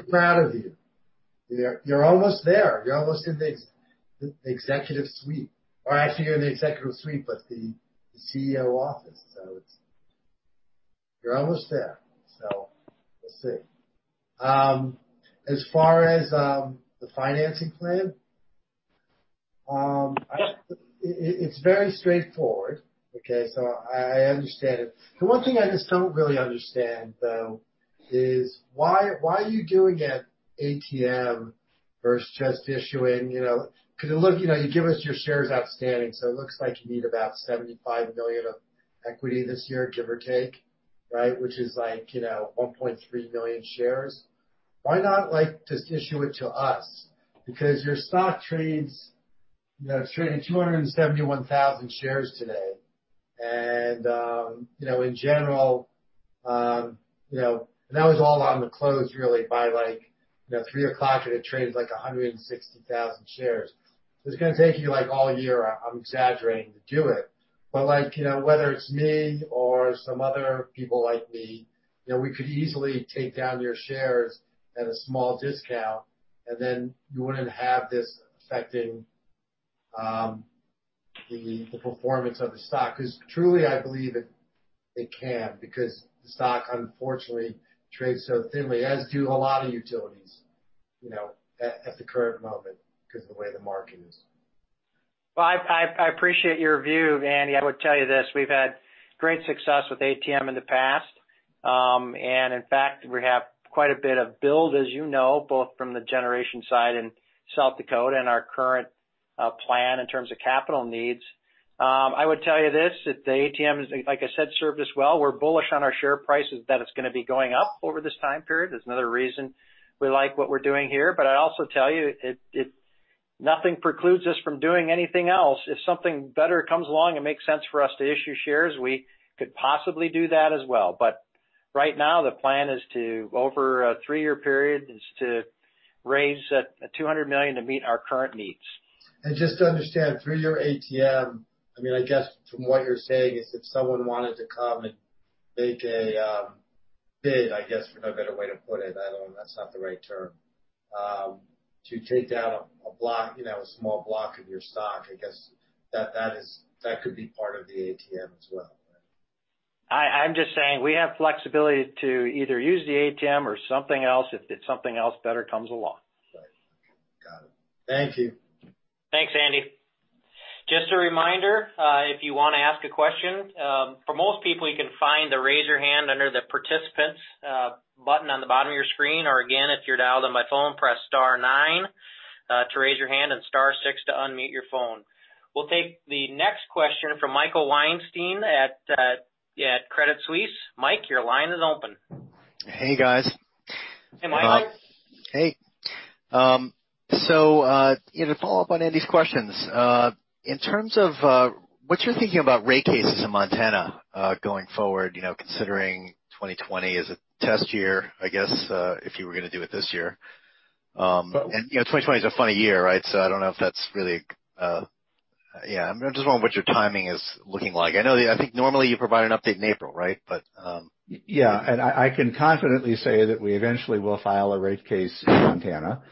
proud of you. You're almost there. You're almost in the executive suite. Actually, you're in the executive suite, but the CEO office, so you're almost there. We'll see. As far as the financing plan, it's very straightforward. Okay, I understand it. The one thing I just don't really understand, though, is why are you doing an ATM versus just issuing. Look, you give us your shares outstanding, it looks like you need about $75 million of equity this year, give or take, right? Which is like 1.3 million shares. Why not just issue it to us? Your stock trades 271,000 shares today. In general, that was all on the close, really by three o'clock, it had traded like 160,000 shares. It's going to take you like all year, I'm exaggerating, to do it. Whether it's me or some other people like me, we could easily take down your shares at a small discount, and then you wouldn't have this affecting the performance of the stock. Truly, I believe it can, because the stock, unfortunately, trades so thinly, as do a lot of utilities at the current moment because of the way the market is. Well, I appreciate your view, Andy. I would tell you this, we've had great success with ATM in the past. In fact, we have quite a bit of build, as you know, both from the generation side in South Dakota and our current plan in terms of capital needs. I would tell you this, that the ATM is, like I said, served us well. We're bullish on our share prices that it's going to be going up over this time period. There's another reason we like what we're doing here. I'd also tell you, nothing precludes us from doing anything else. If something better comes along and makes sense for us to issue shares, we could possibly do that as well. Right now, the plan is to, over a three-year period, is to raise that $200 million to meet our current needs. Just to understand, through your ATM, I guess from what you're saying is if someone wanted to come and make a bid, I guess, for no better way to put it, to take down a small block of your stock, I guess that could be part of the ATM as well, right? I know that's not the right term. I'm just saying we have flexibility to either use the ATM or something else if something else better comes along. Right. Okay. Got it. Thank you. Thanks, Andy. Just a reminder, if you want to ask a question, for most people, you can find the Raise Your Hand under the Participants button on the bottom of your screen. Again, if you're dialed in by phone, press star nine to raise your hand and star six to unmute your phone. We'll take the next question from Michael Weinstein at Credit Suisse. Mike, your line is open. Hey, guys. Hey, Mike. Hey. To follow up on Andy's questions, in terms of what you're thinking about rate cases in Montana going forward, considering 2020 as a test year, I guess, if you were going to do it this year. 2020 is a funny year, right? I don't know if that's really Yeah. I'm just wondering what your timing is looking like. I think normally you provide an update in April, right? I can confidently say that we eventually will file a rate case in Montana.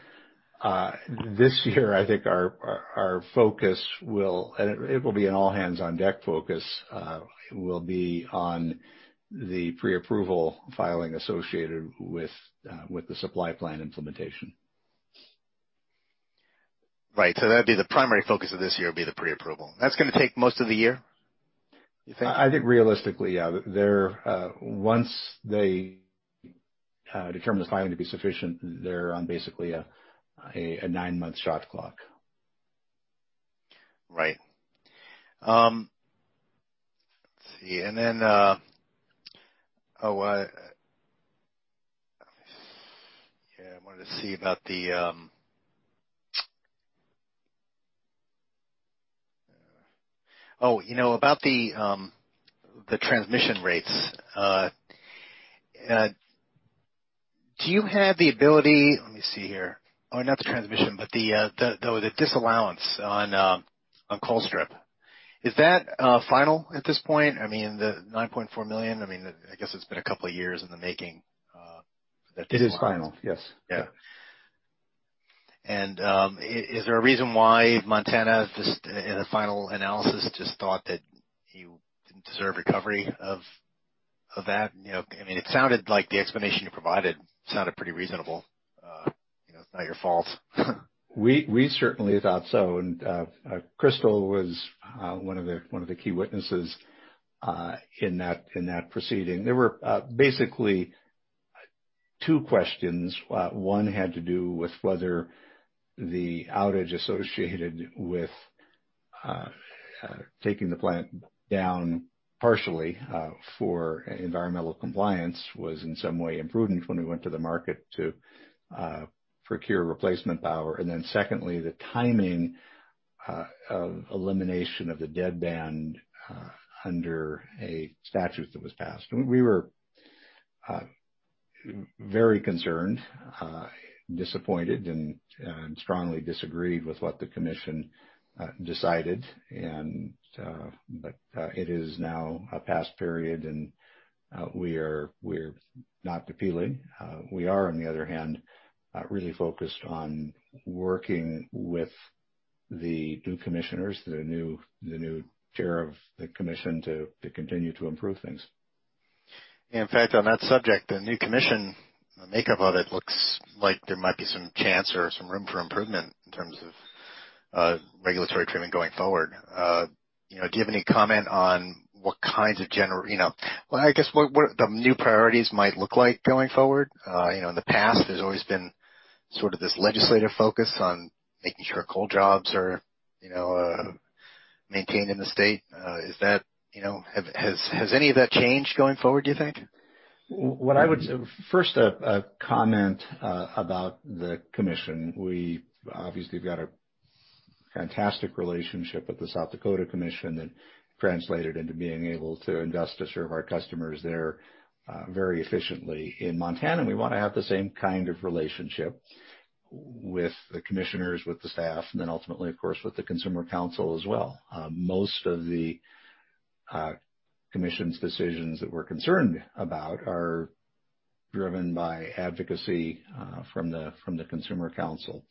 This year, I think our focus, and it will be an all-hands-on-deck focus, will be on the pre-approval filing associated with the supply plan implementation. Right. That'd be the primary focus of this year would be the pre-approval. That's going to take most of the year, you think? I think realistically, yeah. Once they determine the filing to be sufficient, they're on basically a nine-month shot clock. Right. Let's see. Yeah, I wanted to see about the transmission rates. Let me see here. Not the transmission, but the disallowance on Colstrip. Is that final at this point? I mean, the $9.4 million. I guess it's been a couple of years in the making. It is final. Yes. Yeah. Is there a reason why Montana, just in the final analysis, just thought that you didn't deserve recovery of that? It sounded like the explanation you provided sounded pretty reasonable. It's not your fault. We certainly thought so. Crystal was one of the key witnesses in that proceeding. There were basically two questions. One had to do with whether the outage associated with taking the plant down partially for environmental compliance was in some way imprudent when we went to the market to procure replacement power. Secondly, the timing of elimination of the deadband under a statute that was passed. We were very concerned, disappointed, and strongly disagreed with what the commission decided. It is now a past period, and we're not appealing. We are, on the other hand, really focused on working with the new commissioners, the new chair of the commission to continue to improve things. In fact, on that subject, the new commission, the makeup of it looks like there might be some chance or some room for improvement in terms of regulatory treatment going forward. Do you have any comment on what the new priorities might look like going forward? In the past, there's always been this legislative focus on making sure coal jobs are maintained in the state. Has any of that changed going forward, do you think? First, a comment about the Commission. We obviously have got a fantastic relationship with the South Dakota Commission that translated into being able to invest to serve our customers there very efficiently. In Montana, we want to have the same kind of relationship with the commissioners, with the staff, and then ultimately, of course, with the Consumer Councel as well. Most of the Commission's decisions that we're concerned about are driven by advocacy from the Consumer Councel.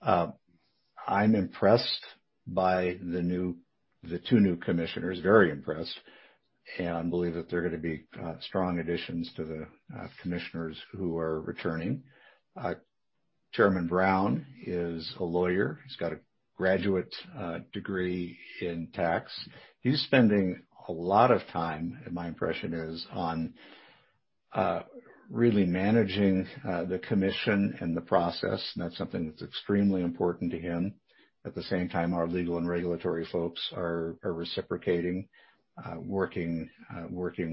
I'm impressed by the two new commissioners, very impressed, and believe that they're going to be strong additions to the commissioners who are returning. Chairman Brown is a lawyer. He's got a graduate degree in tax. He's spending a lot of time, my impression is, on really managing the Commission and the process, and that's something that's extremely important to him. At the same time, our legal and regulatory folks are reciprocating, working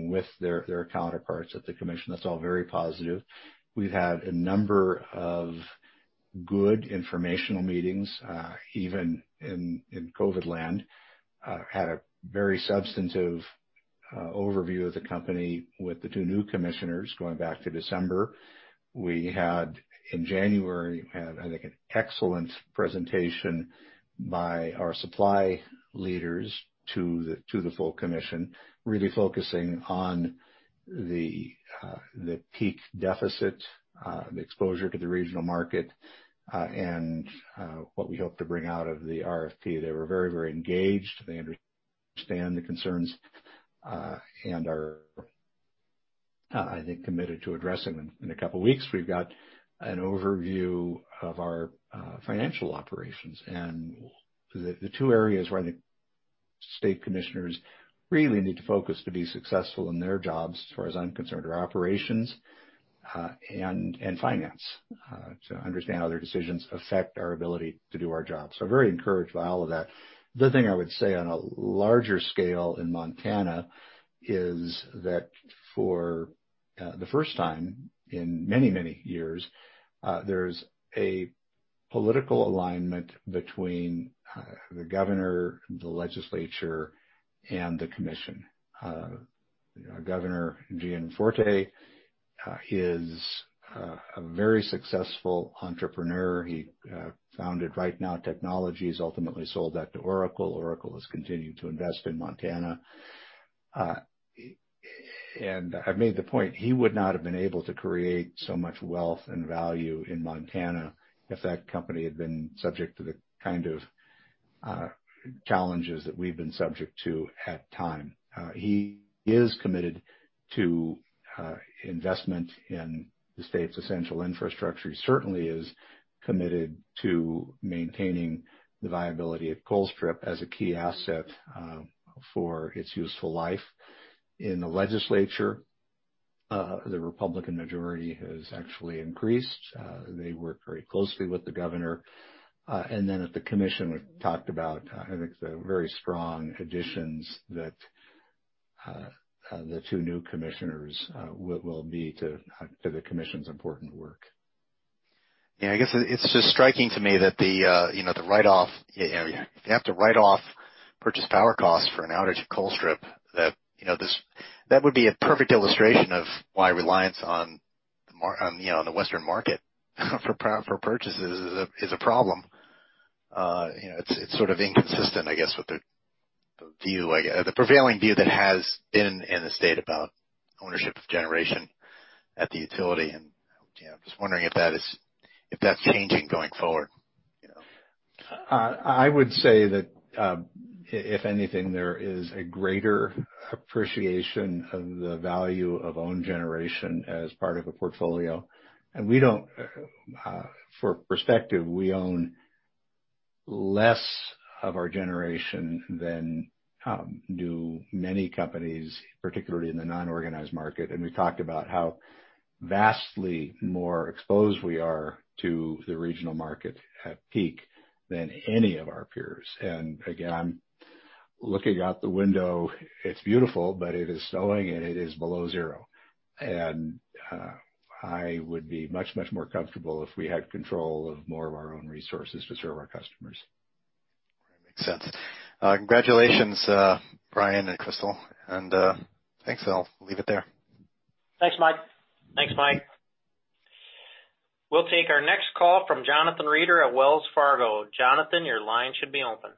with their counterparts at the commission. That's all very positive. We've had a number of good informational meetings, even in COVID land. Had a very substantive overview of the company with the two new commissioners going back to December. We had, in January, I think, an excellent presentation by our supply leaders to the full commission, really focusing on the peak deficit, the exposure to the regional market, and what we hope to bring out of the RFP. They were very engaged. They understand the concerns, are, I think, committed to addressing them. In a couple of weeks, we've got an overview of our financial operations. The two areas where the state commissioners really need to focus to be successful in their jobs, as far as I'm concerned, are operations and finance, to understand how their decisions affect our ability to do our jobs. I'm very encouraged by all of that. The thing I would say on a larger scale in Montana is that for the first time in many years, there's a political alignment between the governor, the legislature, and the commission. Governor Gianforte is a very successful entrepreneur. He founded RightNow Technologies, ultimately sold that to Oracle. Oracle has continued to invest in Montana. I made the point, he would not have been able to create so much wealth and value in Montana if that company had been subject to the kind of challenges that we've been subject to at time. He is committed to investment in the state's essential infrastructure. He certainly is committed to maintaining the viability of Colstrip as a key asset for its useful life. In the legislature, the Republican majority has actually increased. They work very closely with the governor. At the commission, we've talked about, I think, the very strong additions that the two new commissioners will be to the commission's important work. Yeah, I guess it's just striking to me that if you have to write off purchased power costs for an outage at Colstrip, that would be a perfect illustration of why reliance on the Western market for purchases is a problem. It's sort of inconsistent, I guess, with the prevailing view that has been in the state about ownership of generation at the utility, and I'm just wondering if that's changing going forward. I would say that, if anything, there is a greater appreciation of the value of own generation as part of a portfolio. For perspective, we own less of our generation than do many companies, particularly in the non-organized market. We talked about how vastly more exposed we are to the regional market at peak than any of our peers. Again, I'm looking out the window. It's beautiful, but it is snowing and it is below zero. I would be much more comfortable if we had control of more of our own resources to serve our customers. Makes sense. Congratulations, Brian and Crystal, and thanks. I'll leave it there. Thanks, Mike. Thanks, Mike. We'll take our next call from Jonathan Reeder at Wells Fargo. Jonathan, your line should be open.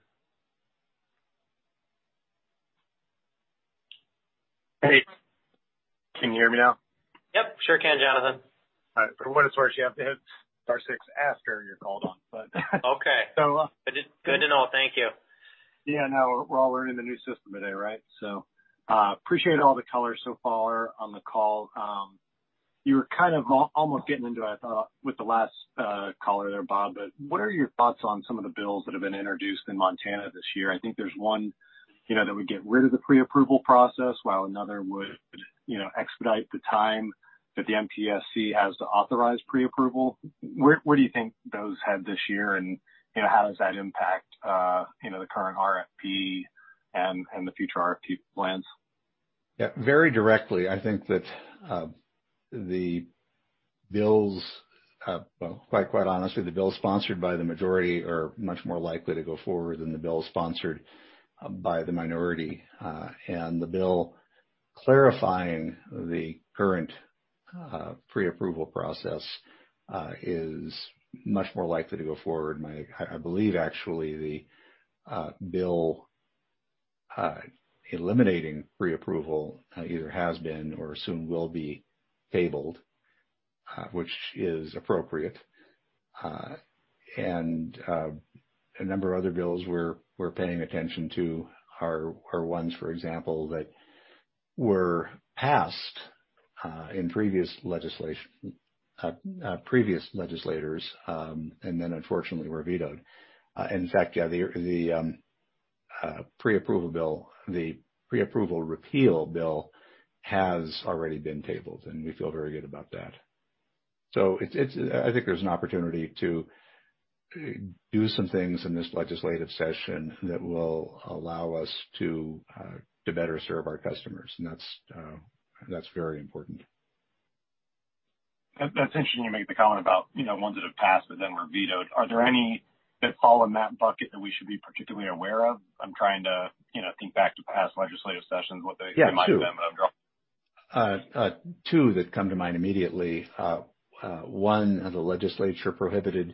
Hey, can you hear me now? Yep. Sure can, Jonathan. All right. For what it's worth, you have to hit star six after you're called on. Okay. So- Good to know. Thank you. Yeah, no. We're all learning the new system today, right? We appreciate all the color so far on the call. You were kind of almost getting into, I thought, with the last caller there, Bob, but what are your thoughts on some of the bills that have been introduced in Montana this year? I think there's one that would get rid of the pre-approval process while another would expedite the time that the MPSC has to authorize pre-approval. Where do you think those head this year, and how does that impact the current RFP and the future RFP plans? Yeah. Very directly, I think that, quite honestly, the bills sponsored by the majority are much more likely to go forward than the bills sponsored by the minority. The bill clarifying the current pre-approval process is much more likely to go forward. I believe, actually, the bill eliminating pre-approval either has been or soon will be tabled, which is appropriate. A number of other bills we're paying attention to are ones, for example, that were passed in previous legislators, and then unfortunately were vetoed. In fact, yeah, the pre-approval repeal bill has already been tabled, and we feel very good about that. I think there's an opportunity to do some things in this legislative session that will allow us to better serve our customers. That's very important. That's interesting you make the comment about ones that have passed but then were vetoed. Are there any that fall in that bucket that we should be particularly aware of? I'm trying to think back to past legislative sessions. Yeah, two. remind them of. Two that come to mind immediately. One, the legislature prohibited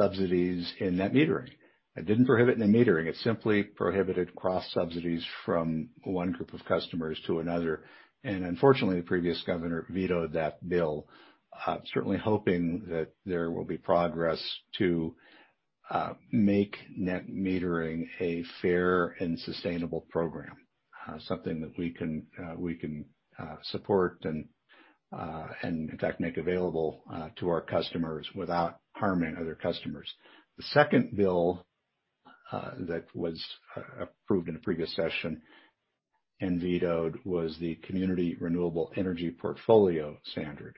subsidies in net metering. It didn't prohibit net metering. It simply prohibited cross-subsidies from one group of customers to another. Unfortunately, the previous governor vetoed that bill. Certainly hoping that there will be progress to make net metering a fair and sustainable program, something that we can support and, in fact, make available to our customers without harming other customers. The second bill that was approved in a previous session and vetoed was the Community Renewable Energy Portfolio Standard.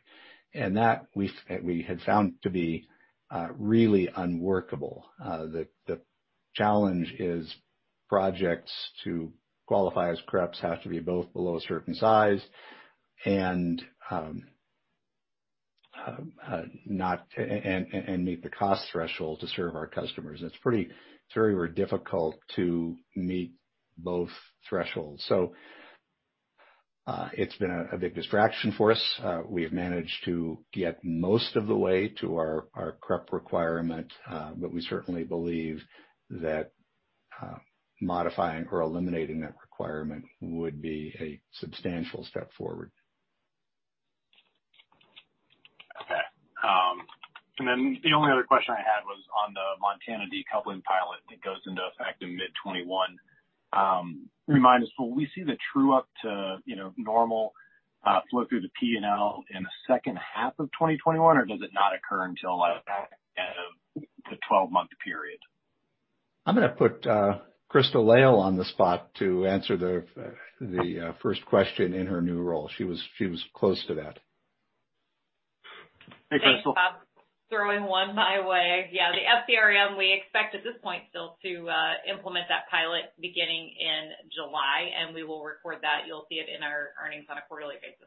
That, we had found to be really unworkable. The challenge is projects to qualify as CREPs have to be both below a certain size and meet the cost threshold to serve our customers. It's very difficult to meet both thresholds. It's been a big distraction for us. We have managed to get most of the way to our CREP requirement, but we certainly believe that modifying or eliminating that requirement would be a substantial step forward. Okay. The only other question I had was on the Montana decoupling pilot that goes into effect in mid 2021. Remind us, will we see the true up to normal flow through the P&L in the second half of 2021, or does it not occur until, like, the end of the 12-month period? I'm going to put Crystal Lail on the spot to answer the first question in her new role. She was close to that. Hey, Crystal. Thanks, Bob. Throwing one my way. Yeah, the FCRM, we expect at this point still to implement that pilot beginning in July, and we will record that. You'll see it in our earnings on a quarterly basis.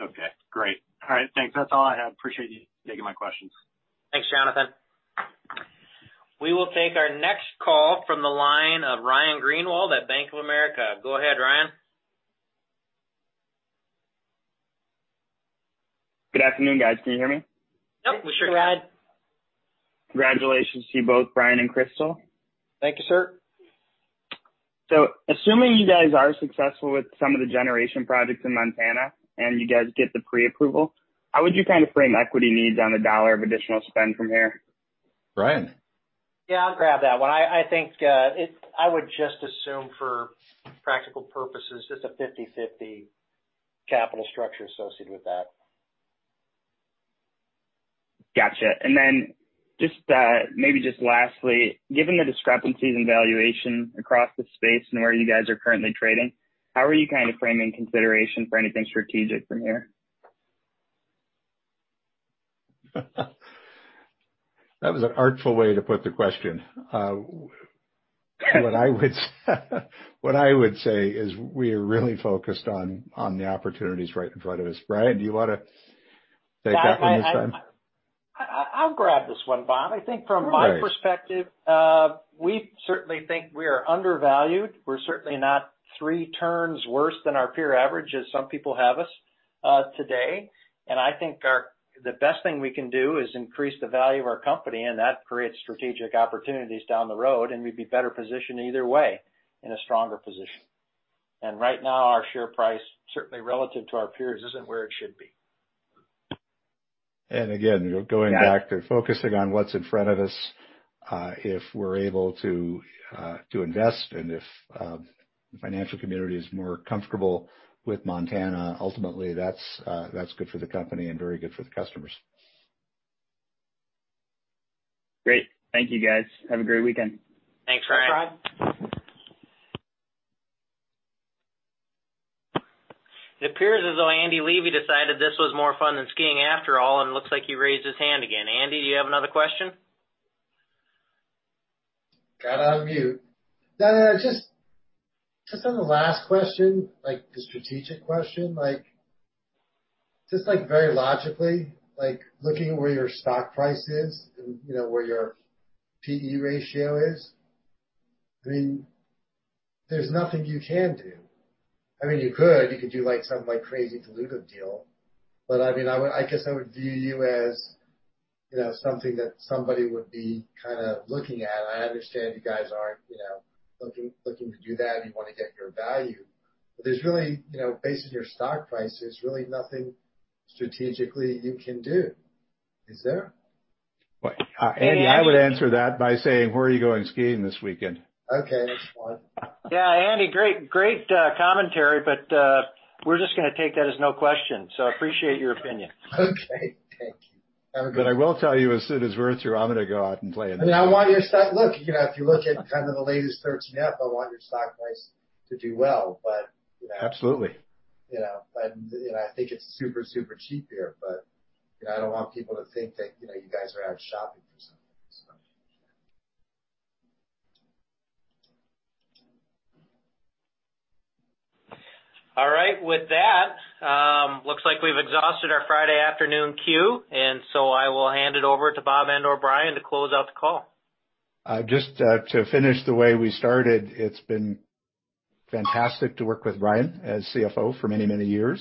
Okay, great. All right, thanks. That's all I have. Appreciate you taking my questions. Thanks, Jonathan. We will take our next call from the line of Ryan Greenwald at Bank of America. Go ahead, Ryan. Good afternoon, guys. Can you hear me? Yep, we sure can. We can. Congratulations to you both, Brian and Crystal. Thank you, sir. Assuming you guys are successful with some of the generation projects in Montana and you guys get the pre-approval, how would you kind of frame equity needs on the dollar of additional spend from here? Brian? Yeah, I'll grab that one. I think I would just assume for practical purposes, just a 50/50 capital structure associated with that. Got you. Maybe just lastly, given the discrepancies in valuation across the space and where you guys are currently trading, how are you kind of framing consideration for anything strategic from here? That was an artful way to put the question. What I would say is we are really focused on the opportunities right in front of us. Brian, do you want to take that one this time? I'll grab this one, Bob. All right. we certainly think we are undervalued. We're certainly not three turns worse than our peer average as some people have us today. I think the best thing we can do is increase the value of our company, and that creates strategic opportunities down the road, and we'd be better positioned either way in a stronger position. Right now, our share price, certainly relative to our peers, isn't where it should be. Again, going back to focusing on what's in front of us. If we're able to invest and if the financial community is more comfortable with Montana, ultimately, that's good for the company and very good for the customers. Great. Thank you, guys. Have a great weekend. Thanks. Bye. Thanks, Brian. It appears as though Andy Levi decided this was more fun than skiing after all. Looks like he raised his hand again. Andy, do you have another question? Got on mute. Just on the last question, the strategic question. Just very logically, looking at where your stock price is and where your P/E ratio is. There's nothing you can do. You could do something crazy dilutive deal. I guess I would view you as something that somebody would be looking at. I understand you guys aren't looking to do that. You want to get your value. Based on your stock price, there's really nothing strategically you can do. Is there? Andy, I woeld answer that by saying, where are you going skiing this weekend? Okay, that's fine. Yeah, Andy, great commentary. We're just going to take that as no question. Appreciate your opinion. Okay, thank you. Have a good one. I will tell you. I'm going to go out and play in the snow. Look, if you look at kind of the latest 13F, I want your stock price to do well. Absolutely. I think it's super cheap here, but I don't want people to think that you guys are out shopping for something. All right. With that, looks like we've exhausted our Friday afternoon queue, and so I will hand it over to Bob and/or Brian to close out the call. Just to finish the way we started, it's been fantastic to work with Brian as CFO for many, many years.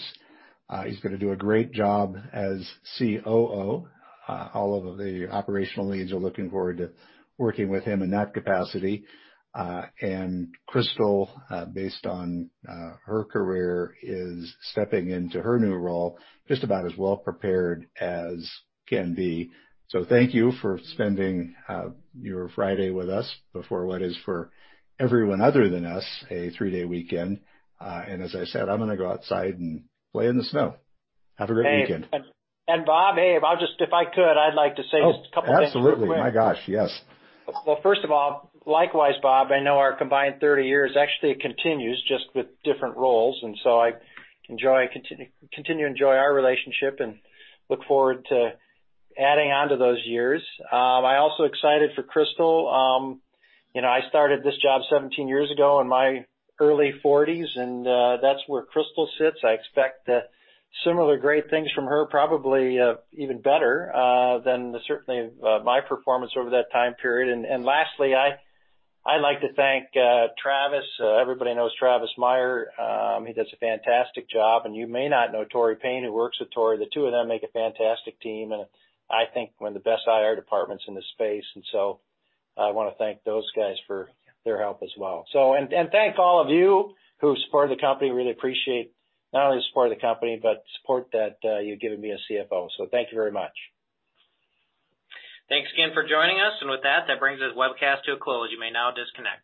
He's going to do a great job as COO. All of the operational leads are looking forward to working with him in that capacity. Crystal, based on her career, is stepping into her new role just about as well-prepared as can be. Thank you for spending your Friday with us before what is for everyone other than us, a three-day weekend. As I said, I'm going to go outside and play in the snow. Have a great weekend. Bob, hey, if I could, I'd like to say just a couple things real quick. Oh, absolutely. My gosh, yes. Well, first of all, likewise, Bob. I know our combined 30 years actually continues, just with different roles. I continue to enjoy our relationship and look forward to adding on to those years. I am also excited for Crystal. I started this job 17 years ago in my early 40s, and that's where Crystal sits. I expect similar great things from her, probably even better than certainly my performance over that time period. Lastly, I'd like to thank Travis. Everybody knows Travis Meyer. He does a fantastic job. You may not know Tori Payne, who works with Tori. The two of them make a fantastic team, and I think one of the best IR departments in the space. I want to thank those guys for their help as well. Thank all of you who supported the company. Really appreciate not only the support of the company, but support that you've given me as CFO. Thank you very much. Thanks again for joining us. With that brings this webcast to a close. You may now disconnect.